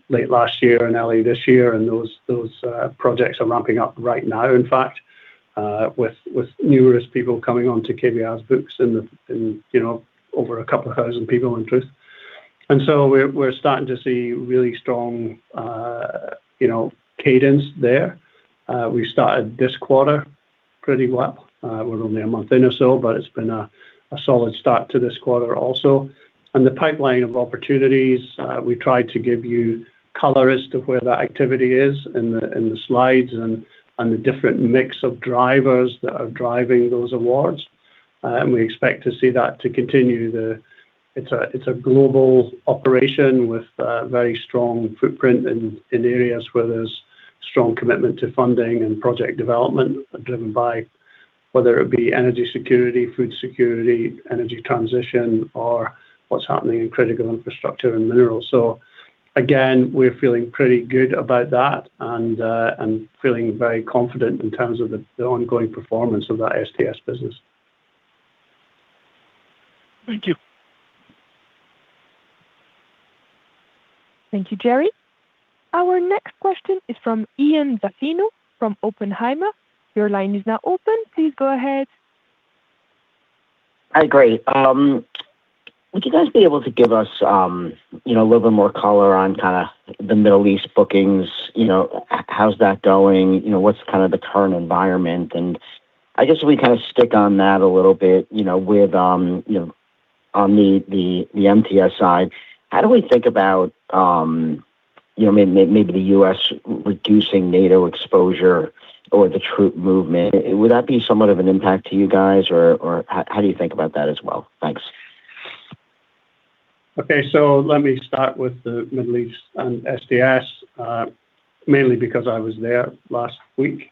late last year and early this year, and those projects are ramping up right now, in fact, with numerous people coming onto KBR's books and, you know, over a couple of thousand people in truth. We're starting to see really strong, you know, cadence there. We started this quarter pretty well. We're only a month in or so, but it's been a solid start to this quarter also. The pipeline of opportunities, we tried to give you color as to where that activity is in the slides and the different mix of drivers that are driving those awards. We expect to see that to continue. It's a global operation with a very strong footprint in areas where there's strong commitment to funding and project development driven by whether it be energy security, food security, energy transition, or what's happening in critical infrastructure and minerals. Again, we're feeling pretty good about that and feeling very confident in terms of the ongoing performance of that STS business. Thank you. Thank you, Jerry. Our next question is from Ian Zaffino from Oppenheimer. Your line is now open. Please go ahead. Hi, great. Would you guys be able to give us, you know, a little bit more color on the Middle East bookings? You know, how's that going? You know, what's kind of the current environment? I guess if we kinda stick on that a little bit, you know, with, you know, on the, the MTS side, how do we think about, you know, maybe the U.S. reducing NATO exposure or the troop movement? Would that be somewhat of an impact to you guys? Or, or how do you think about that as well? Thanks. Let me start with the Middle East and STS, mainly because I was there last week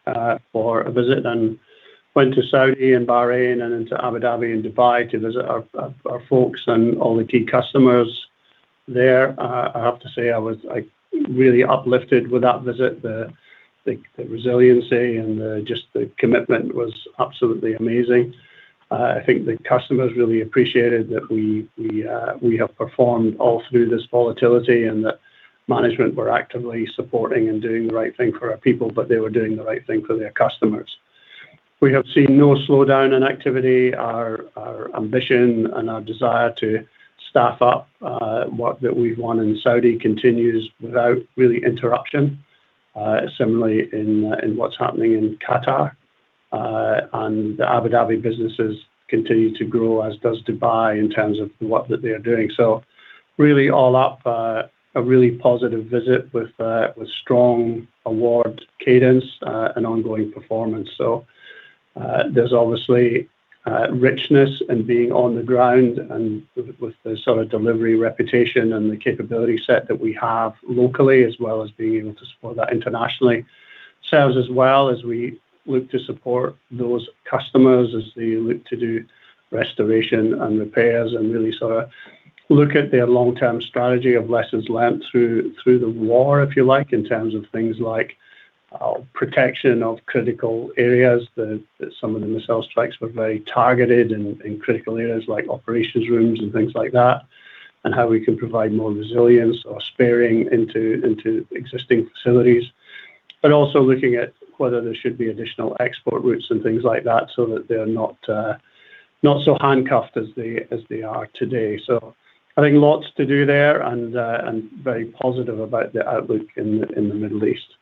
for a visit and went to Saudi and Bahrain and into Abu Dhabi and Dubai to visit our folks and all the key customers there. I have to say I was, like, really uplifted with that visit. The resiliency and just the commitment was absolutely amazing. I think the customers really appreciated that we have performed all through this volatility and that management were actively supporting and doing the right thing for our people, but they were doing the right thing for their customers. We have seen no slowdown in activity. Our ambition and our desire to staff up work that we've won in Saudi continues without really interruption. Similarly in what's happening in Qatar. The Abu Dhabi businesses continue to grow, as does Dubai, in terms of what they are doing. Really all up, a really positive visit with strong award cadence and ongoing performance. There's obviously richness in being on the ground and with the sort of delivery reputation and the capability set that we have locally as well as being able to support that internationally. Serves us well as we look to support those customers as they look to do restoration and repairs and really sort of look at their long-term strategy of lessons learned through the war, if you like, in terms of things like protection of critical areas that some of the missile strikes were very targeted in critical areas like operations rooms and things like that. How we can provide more resilience or sparing into existing facilities. Also looking at whether there should be additional export routes and things like that so that they're not so handcuffed as they are today. I think lots to do there and very positive about the outlook in the Middle East.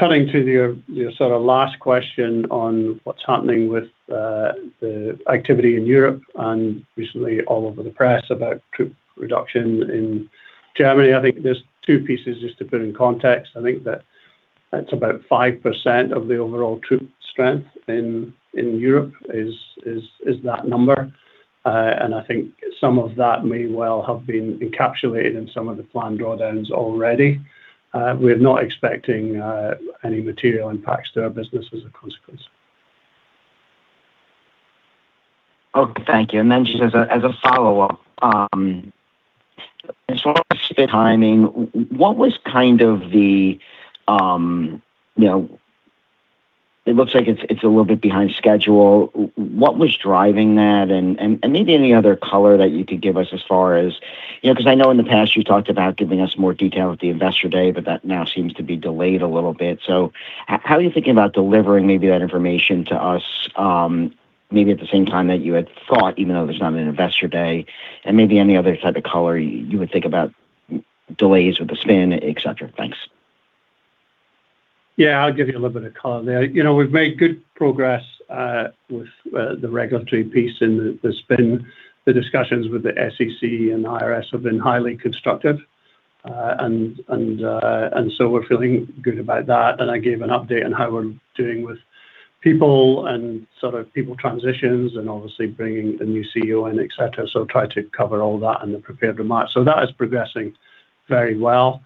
Turning to your sorta last question on what's happening with the activity in Europe and recently all over the press about troop reduction in Germany. I think there's two pieces just to put in context. I think that it's about 5% of the overall troop strength in Europe is that number. I think some of that may well have been encapsulated in some of the planned drawdowns already. We're not expecting any material impacts to our business as a consequence. Okay. Thank you. Just as a follow-up, as far as the timing, what was kind of the, you know, it looks like it's a little bit behind schedule. What was driving that? Maybe any other color that you could give us as far as You know, 'cause I know in the past you talked about giving us more detail at the Investor Day, but that now seems to be delayed a little bit. How are you thinking about delivering maybe that information to us, maybe at the same time that you had thought, even though there's not an Investor Day, and maybe any other type of color you would think about delays with the spin, et cetera. Thanks. Yeah, I'll give you a little bit of color there. You know, we've made good progress with the regulatory piece and the spin. The discussions with the SEC and IRS have been highly constructive. We're feeling good about that. I gave an update on how we're doing with people and sort of people transitions and obviously bringing a new CEO in, et cetera. Try to cover all that in the prepared remarks. That is progressing very well.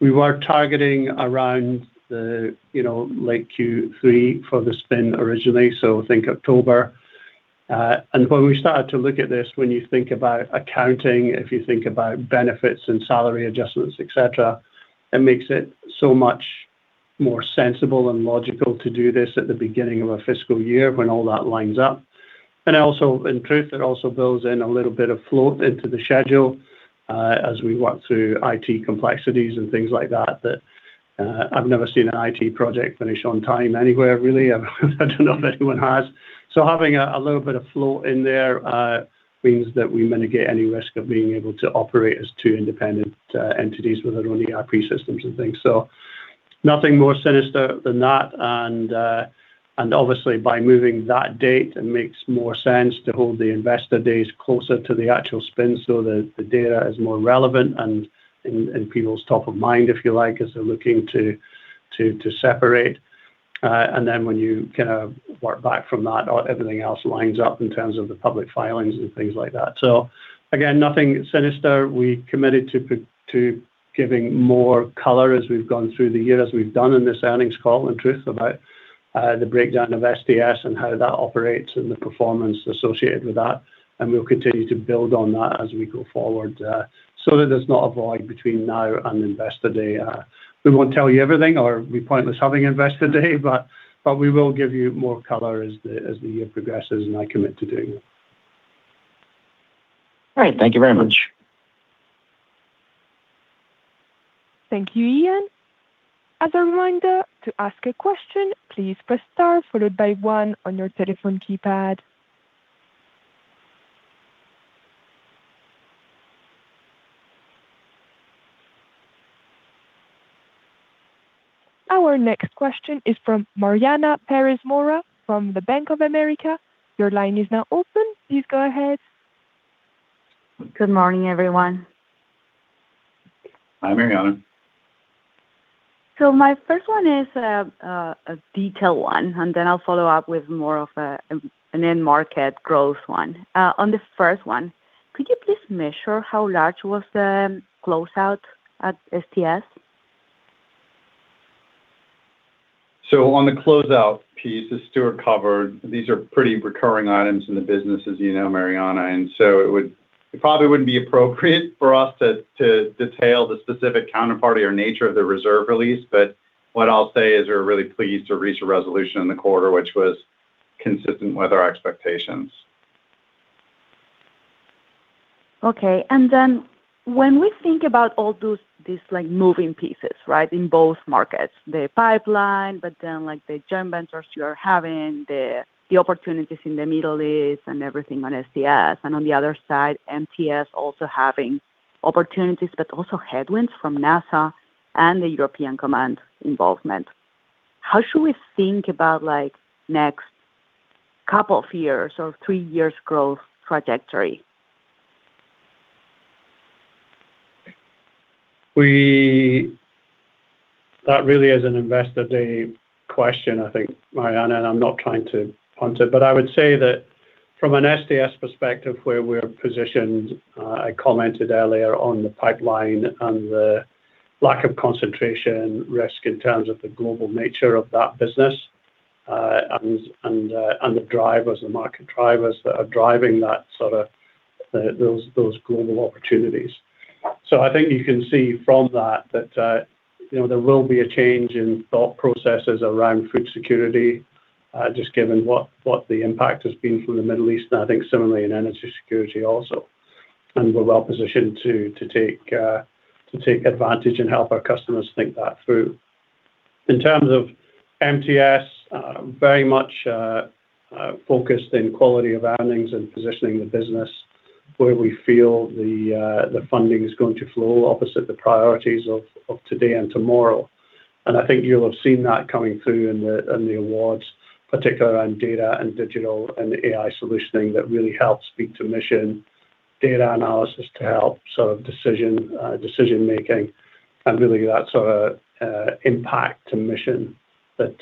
We were targeting around the, you know, late Q3 for the spin originally, so think October. When we started to look at this, when you think about accounting, if you think about benefits and salary adjustments, et cetera, it makes it so much more sensible and logical to do this at the beginning of a fiscal year when all that lines up. In truth, it also builds in a little bit of float into the schedule as we work through IT complexities and things like that I've never seen an IT project finish on time anywhere really. I don't know if anyone has. Having a little bit of float in there means that we mitigate any risk of being able to operate as two independent entities with our own ERP systems and things. Nothing more sinister than that. Obviously by moving that date, it makes more sense to hold the Investor Days closer to the actual spin so the data is more relevant and in people's top of mind, if you like, as they're looking to separate. When you kind of work back from that, everything else lines up in terms of the public filings and things like that. Again, nothing sinister. We committed to giving more color as we've gone through the year, as we've done in this earnings call, in truth, about the breakdown of STS and how that operates and the performance associated with that, and we'll continue to build on that as we go forward so that there's not a void between now and Investor Day. We won't tell you everything or it'd be pointless having Investor Day, but we will give you more color as the year progresses, and I commit to doing that. All right. Thank you very much. Thank you, Ian. As a reminder, to ask a question, please press star followed by one on your telephone keypad. Our next question is from Mariana Pérez Mora from the Bank of America. Your line is now open. Please go ahead. Good morning, everyone. Hi, Mariana. My first one is a detail one, and then I'll follow up with more of an end market growth one. On the first one, could you please measure how large was the closeout at STS? On the closeout piece that Stuart covered, these are pretty recurring items in the business, as you know, Mariana. It probably wouldn't be appropriate for us to detail the specific counterparty or nature of the reserve release. What I'll say is we're really pleased to reach a resolution in the quarter, which was consistent with our expectations. Okay. When we think about these, like, moving pieces, right, in both markets, the pipeline, but then, like, the joint ventures you're having, the opportunities in the Middle East and everything on STS, and on the other side, MTS also having opportunities, but also headwinds from NASA and the European Command involvement. How should we think about, like, next couple years or three years growth trajectory? That really is an Investor Day question, I think, Mariana. I'm not trying to punt it. I would say that from an STS perspective, where we're positioned, I commented earlier on the pipeline and the lack of concentration risk in terms of the global nature of that business, and the drivers, the market drivers that are driving that, sort of, those global opportunities. I think you can see from that, you know, there will be a change in thought processes around food security, just given what the impact has been from the Middle East, and I think similarly in energy security also. We're well positioned to take advantage and help our customers think that through. In terms of MTS, very much focused in quality of earnings and positioning the business where we feel the funding is going to flow opposite the priorities of today and tomorrow. I think you'll have seen that coming through in the awards, particularly around data and digital and AI solutioning that really helps speak to mission, data analysis to help sort of decision-making, and really that sort of impact to mission that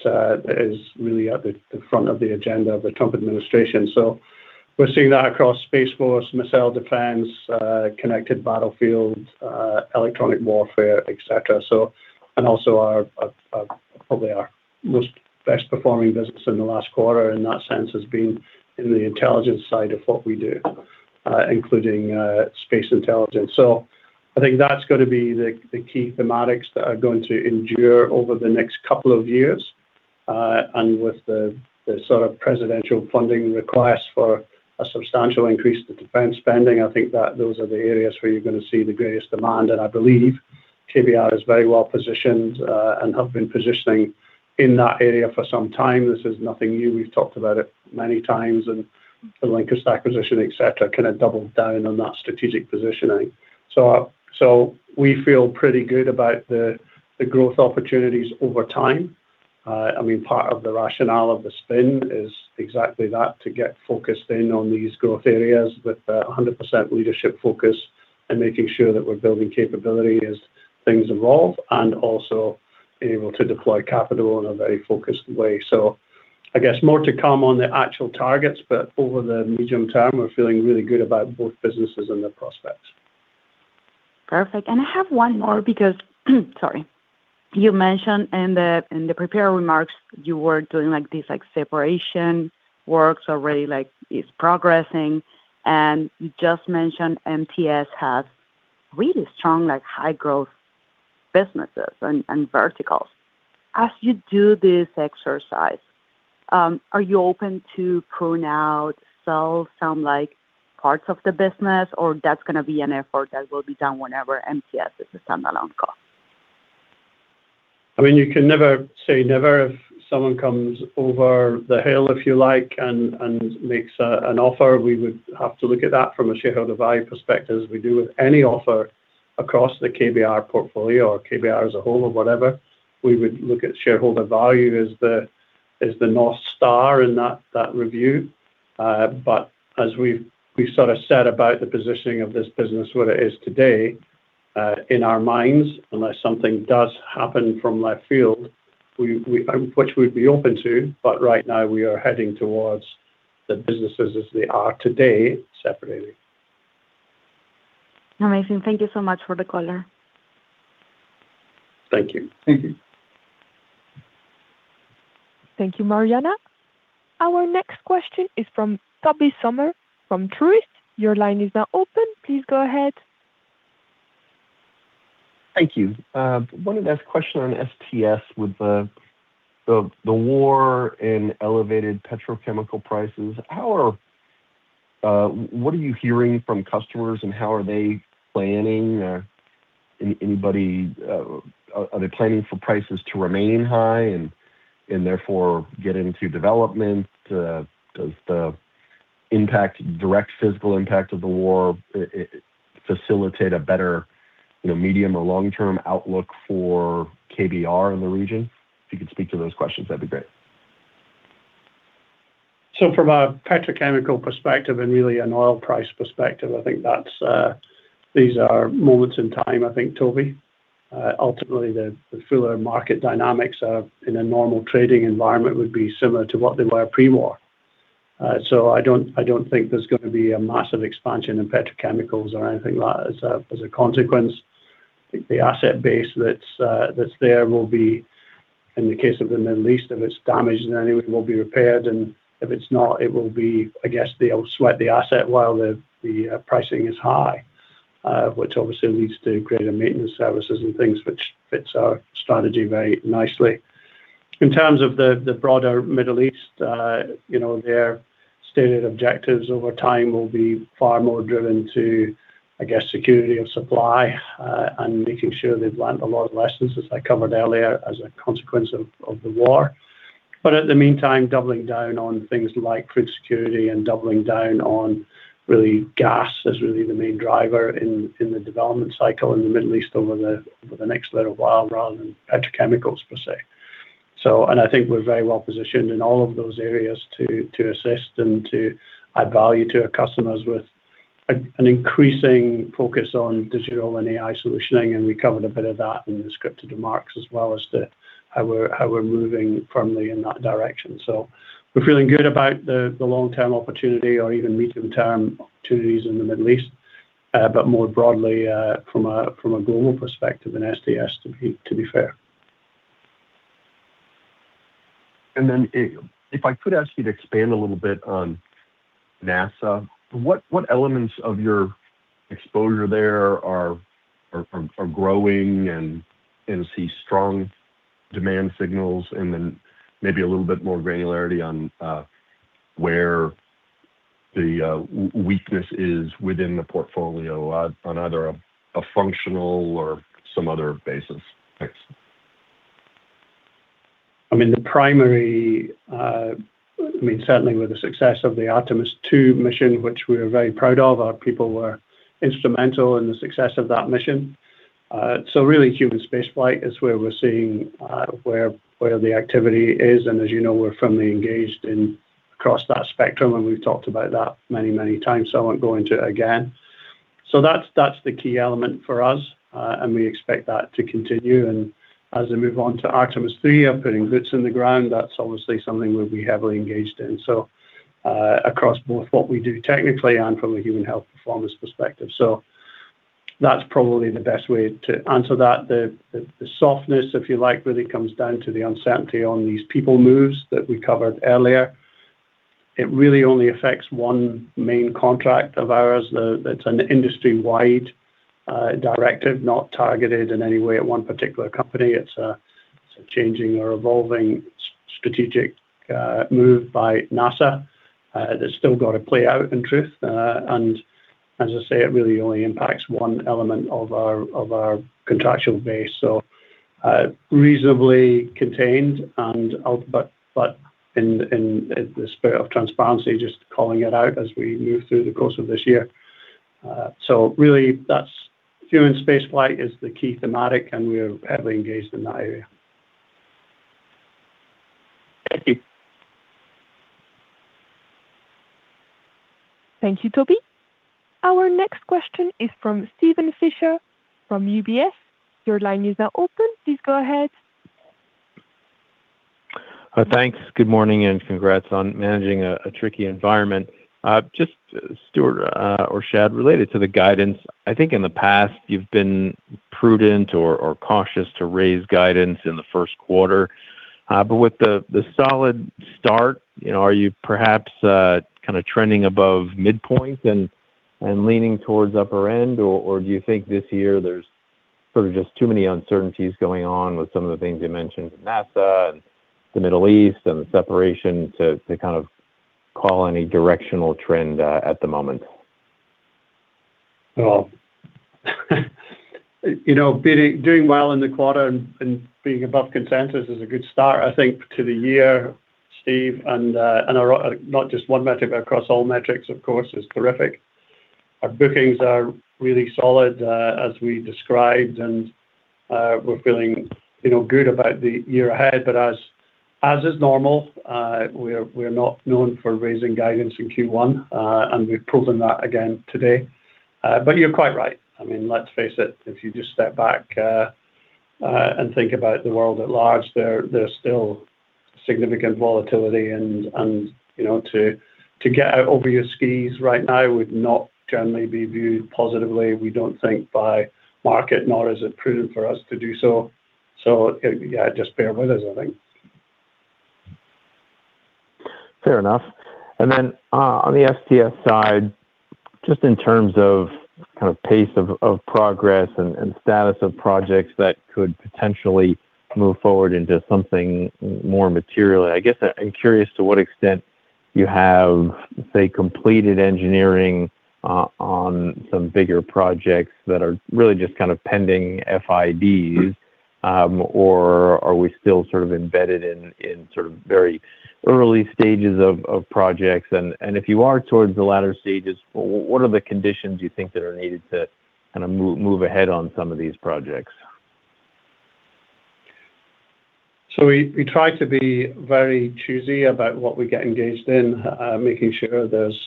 is really at the front of the agenda of the Trump administration. We're seeing that across Space Force, Missile Defense, connected battlefield, electronic warfare, et cetera. Also our probably our most best performing business in the last quarter in that sense has been in the intelligence side of what we do, including space intelligence. I think that's going to be the key thematics that are going to endure over the next couple of years. With the sort of presidential funding request for a substantial increase to defense spending, I think that those are the areas where you're going to see the greatest demand. I believe KBR is very well-positioned and have been positioning in that area for some time. This is nothing new. We've talked about it many times, and the LinQuest acquisition, et cetera, kind of doubled down on that strategic positioning. We feel pretty good about the growth opportunities over time. I mean, part of the rationale of the spin is exactly that, to get focused in on these growth areas with 100% leadership focus and making sure that we're building capability as things evolve, and also able to deploy capital in a very focused way. I guess more to come on the actual targets, but over the medium term, we're feeling really good about both businesses and their prospects. Perfect. I have one more because, sorry, you mentioned in the, in the prepared remarks you were doing, like, this, like, separation works already. Like, it's progressing, and you just mentioned MTS has really strong, like, high growth businesses and verticals. As you do this exercise, are you open to prune out, sell some, like, parts of the business, or that's gonna be an effort that will be done whenever MTS is a standalone [cost]? I mean, you can never say never. If someone comes over the hill, if you like, and makes an offer, we would have to look at that from a shareholder value perspective as we do with any offer across the KBR portfolio or KBR as a whole or whatever. We would look at shareholder value as the NorthStar in that review. As we've sort of set about the positioning of this business where it is today, in our minds, unless something does happen from left field, which we'd be open to, right now we are heading towards the businesses as they are today, separating. Amazing. Thank you so much for the color. Thank you. Thank you. Thank you, Mariana. Our next question is from Tobey Sommer from Truist. Your line is now open. Please go ahead. Thank you. Wanted to ask a question on STS. With the war and elevated petrochemical prices, what are you hearing from customers, and how are they planning? Are they planning for prices to remain high and therefore get into development? Does the impact, direct physical impact of the war, facilitate a better, you know, medium or long-term outlook for KBR in the region? If you could speak to those questions, that'd be great. From a petrochemical perspective and really an oil price perspective, I think that's, these are moments in time, I think, Tobey. Ultimately, the fuller market dynamics are in a normal trading environment would be similar to what they were pre-war. I don't think there's gonna be a massive expansion in petrochemicals or anything like that as a consequence. I think the asset base that's there will be, in the case of the Middle East, if it's damaged in any way, will be repaired, and if it's not, it will be, I guess, they'll sweat the asset while the pricing is high, which obviously leads to greater maintenance services and things, which fits our strategy very nicely. In terms of the broader Middle East, you know, their stated objectives over time will be far more driven to, I guess, security of supply, and making sure they've learned a lot of lessons, as I covered earlier, as a consequence of the war. At the meantime, doubling down on things like crude security and doubling down on really gas as really the main driver in the development cycle in the Middle East over the next little while, rather than petrochemicals per se. And I think we're very well-positioned in all of those areas to assist and to add value to our customers with an increasing focus on digital and AI solutioning, and we covered a bit of that in the scripted remarks as well as to how we're moving firmly in that direction. We're feeling good about the long-term opportunity or even medium-term opportunities in the Middle East, but more broadly, from a global perspective in STS, to be fair. If I could ask you to expand a little bit on NASA. What elements of your exposure there are growing and see strong demand signals? Maybe a little bit more granularity on where the weakness is within the portfolio on either a functional or some other basis. Thanks. I mean, the primary, I mean, certainly with the success of the Artemis II mission, which we are very proud of, our people were instrumental in the success of that mission. Really human spaceflight is where we're seeing, where the activity is. As you know, we're firmly engaged in across that spectrum, and we've talked about that many, many times, so I won't go into it again. That's the key element for us, and we expect that to continue. As we move on to Artemis III and putting boots on the ground, that's obviously something we'll be heavily engaged in. Across both what we do technically and from a human health performance perspective. That's probably the best way to answer that. The softness, if you like, really comes down to the uncertainty on these people moves that we covered earlier. It really only affects one main contract of ours. That's an industry-wide directive, not targeted in any way at one particular company. It's a changing or evolving strategic move by NASA that's still gotta play out in truth. As I say, it really only impacts one element of our contractual base. Reasonably contained in the spirit of transparency, just calling it out as we move through the course of this year. Really that's human spaceflight is the key thematic, and we are heavily engaged in that area. Thank you, Tobey. Our next question is from Steven Fisher from UBS. Your line is now open. Please go ahead. Thanks. Good morning, congrats on managing a tricky environment. Just Stuart or Shad, related to the guidance, I think in the past you've been prudent or cautious to raise guidance in the first quarter. With the solid start, you know, are you perhaps kind of trending above midpoint and leaning towards upper end or do you think this year there's sort of just too many uncertainties going on with some of the things you mentioned, NASA and the Middle East and the separation to kind of call any directional trend at the moment? Well, you know, Steven, doing well in the quarter and being above consensus is a good start, I think, to the year, Steve. Not just one metric, but across all metrics, of course, is terrific. Our bookings are really solid, as we described, and we're feeling, you know, good about the year ahead. As, as is normal, we're not known for raising guidance in Q1, and we've proven that again today. You're quite right. I mean, let's face it, if you just step back and think about the world at large, there's still significant volatility and, you know, to get out over your skis right now would not generally be viewed positively, we don't think by market, nor is it prudent for us to do so. Yeah, just bear with us, I think. Fair enough. On the STS side, just in terms of kind of pace of progress and status of projects that could potentially move forward into something more materially, I guess I'm curious to what extent you have, say, completed engineering on some bigger projects that are really just kind of pending FIDs. Or are we still sort of embedded in very early stages of projects? If you are towards the latter stages, what are the conditions you think that are needed to kind of move ahead on some of these projects? We try to be very choosy about what we get engaged in, making sure there's,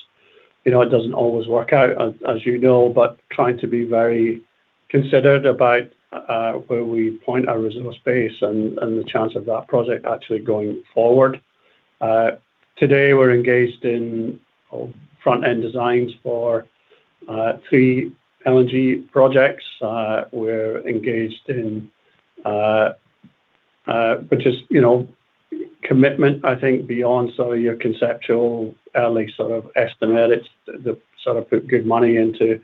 you know, it doesn't always work out as you know, but trying to be very considered about where we point our resource base and the chance of that project actually going forward. Today we're engaged in front-end designs for three LNG projects. Just, you know, commitment, I think, beyond sort of your conceptual early sort of estimates that sort of put good money into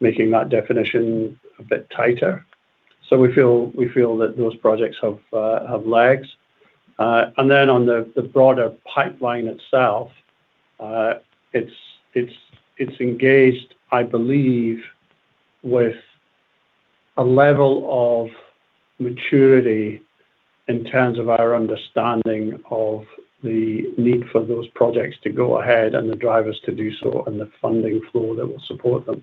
making that definition a bit tighter. We feel that those projects have legs. On the broader pipeline itself, it's engaged, I believe, with a level of maturity in terms of our understanding of the need for those projects to go ahead and the drivers to do so and the funding flow that will support them.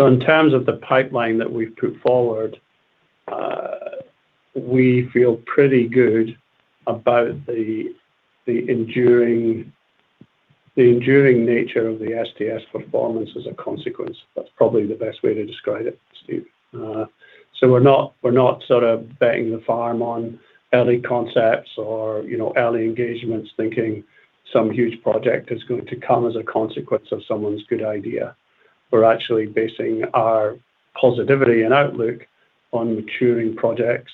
In terms of the pipeline that we've put forward, we feel pretty good about the enduring nature of the STS performance as a consequence. That's probably the best way to describe it, Steve. We're not sort of betting the farm on early concepts or, you know, early engagements thinking some huge project is going to come as a consequence of someone's good idea. We're actually basing our positivity and outlook on maturing projects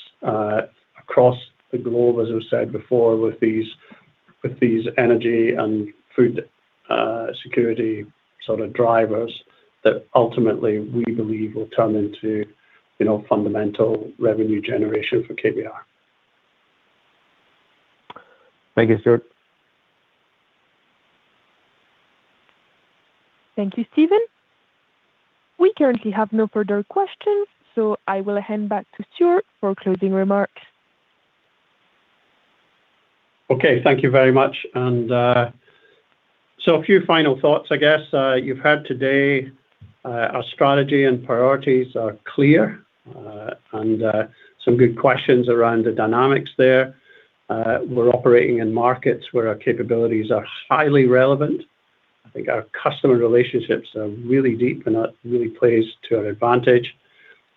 across the globe, as I've said before, with these energy and food security sort of drivers that ultimately we believe will turn into, you know, fundamental revenue generation for KBR. Thank you, Stuart. Thank you, Steven. We currently have no further questions, so I will hand back to Stuart for closing remarks. Okay. Thank you very much. A few final thoughts, I guess. You've heard today, our strategy and priorities are clear, some good questions around the dynamics there. We're operating in markets where our capabilities are highly relevant. I think our customer relationships are really deep and that really plays to our advantage.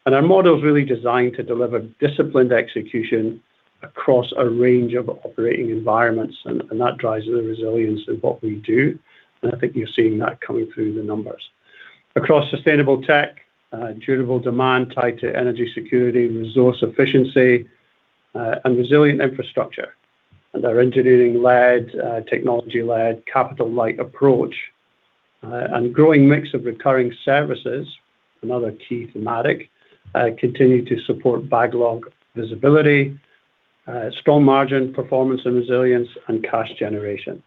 Our model is really designed to deliver disciplined execution across a range of operating environments, and that drives the resilience of what we do, and I think you're seeing that coming through the numbers. Across Sustainable Tech, durable demand tied to energy security, resource efficiency, and resilient infrastructure and our engineering-led, technology-led capital-light approach, and growing mix of recurring services, another key thematic, continue to support backlog visibility, strong margin performance and resilience, and cash generation.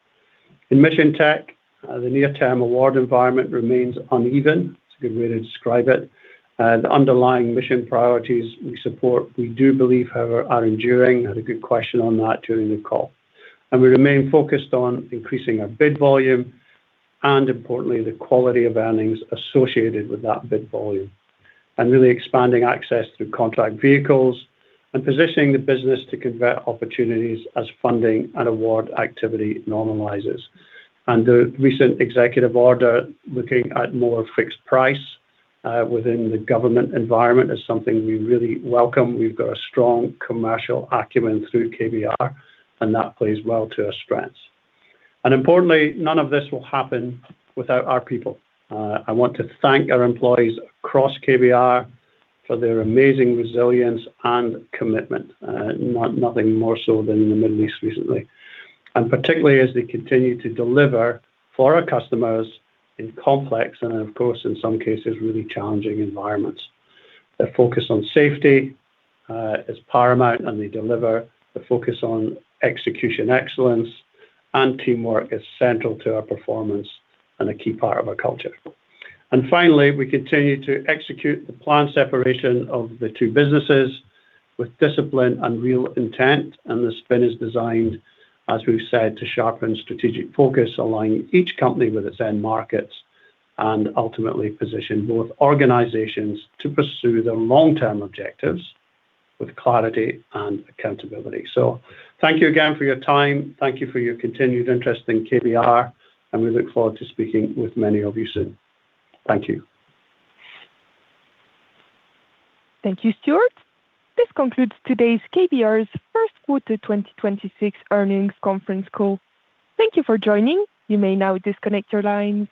In Mission Tech, the near-term award environment remains uneven. It's a good way to describe it. Underlying mission priorities we support, we do believe, however, are enduring. Had a good question on that during the call. We remain focused on increasing our bid volume and importantly, the quality of earnings associated with that bid volume, and really expanding access through contract vehicles and positioning the business to convert opportunities as funding and award activity normalizes. The recent executive order looking at more fixed price, within the government environment is something we really welcome. We've got a strong commercial acumen through KBR, and that plays well to our strengths. Importantly, none of this will happen without our people. I want to thank our employees across KBR for their amazing resilience and commitment, nothing more so than in the Middle East recently, and particularly as they continue to deliver for our customers in complex and of course, in some cases, really challenging environments. Their focus on safety is paramount, and they deliver the focus on execution excellence, and teamwork is central to our performance and a key part of our culture. Finally, we continue to execute the planned separation of the two businesses with discipline and real intent, and the spin is designed, as we've said, to sharpen strategic focus, aligning each company with its end markets and ultimately position both organizations to pursue their long-term objectives with clarity and accountability. Thank you again for your time. Thank you for your continued interest in KBR. We look forward to speaking with many of you soon. Thank you. Thank you, Stuart. This concludes today's KBR's first quarter 2026 earnings conference call. Thank you for joining. You may now disconnect your lines.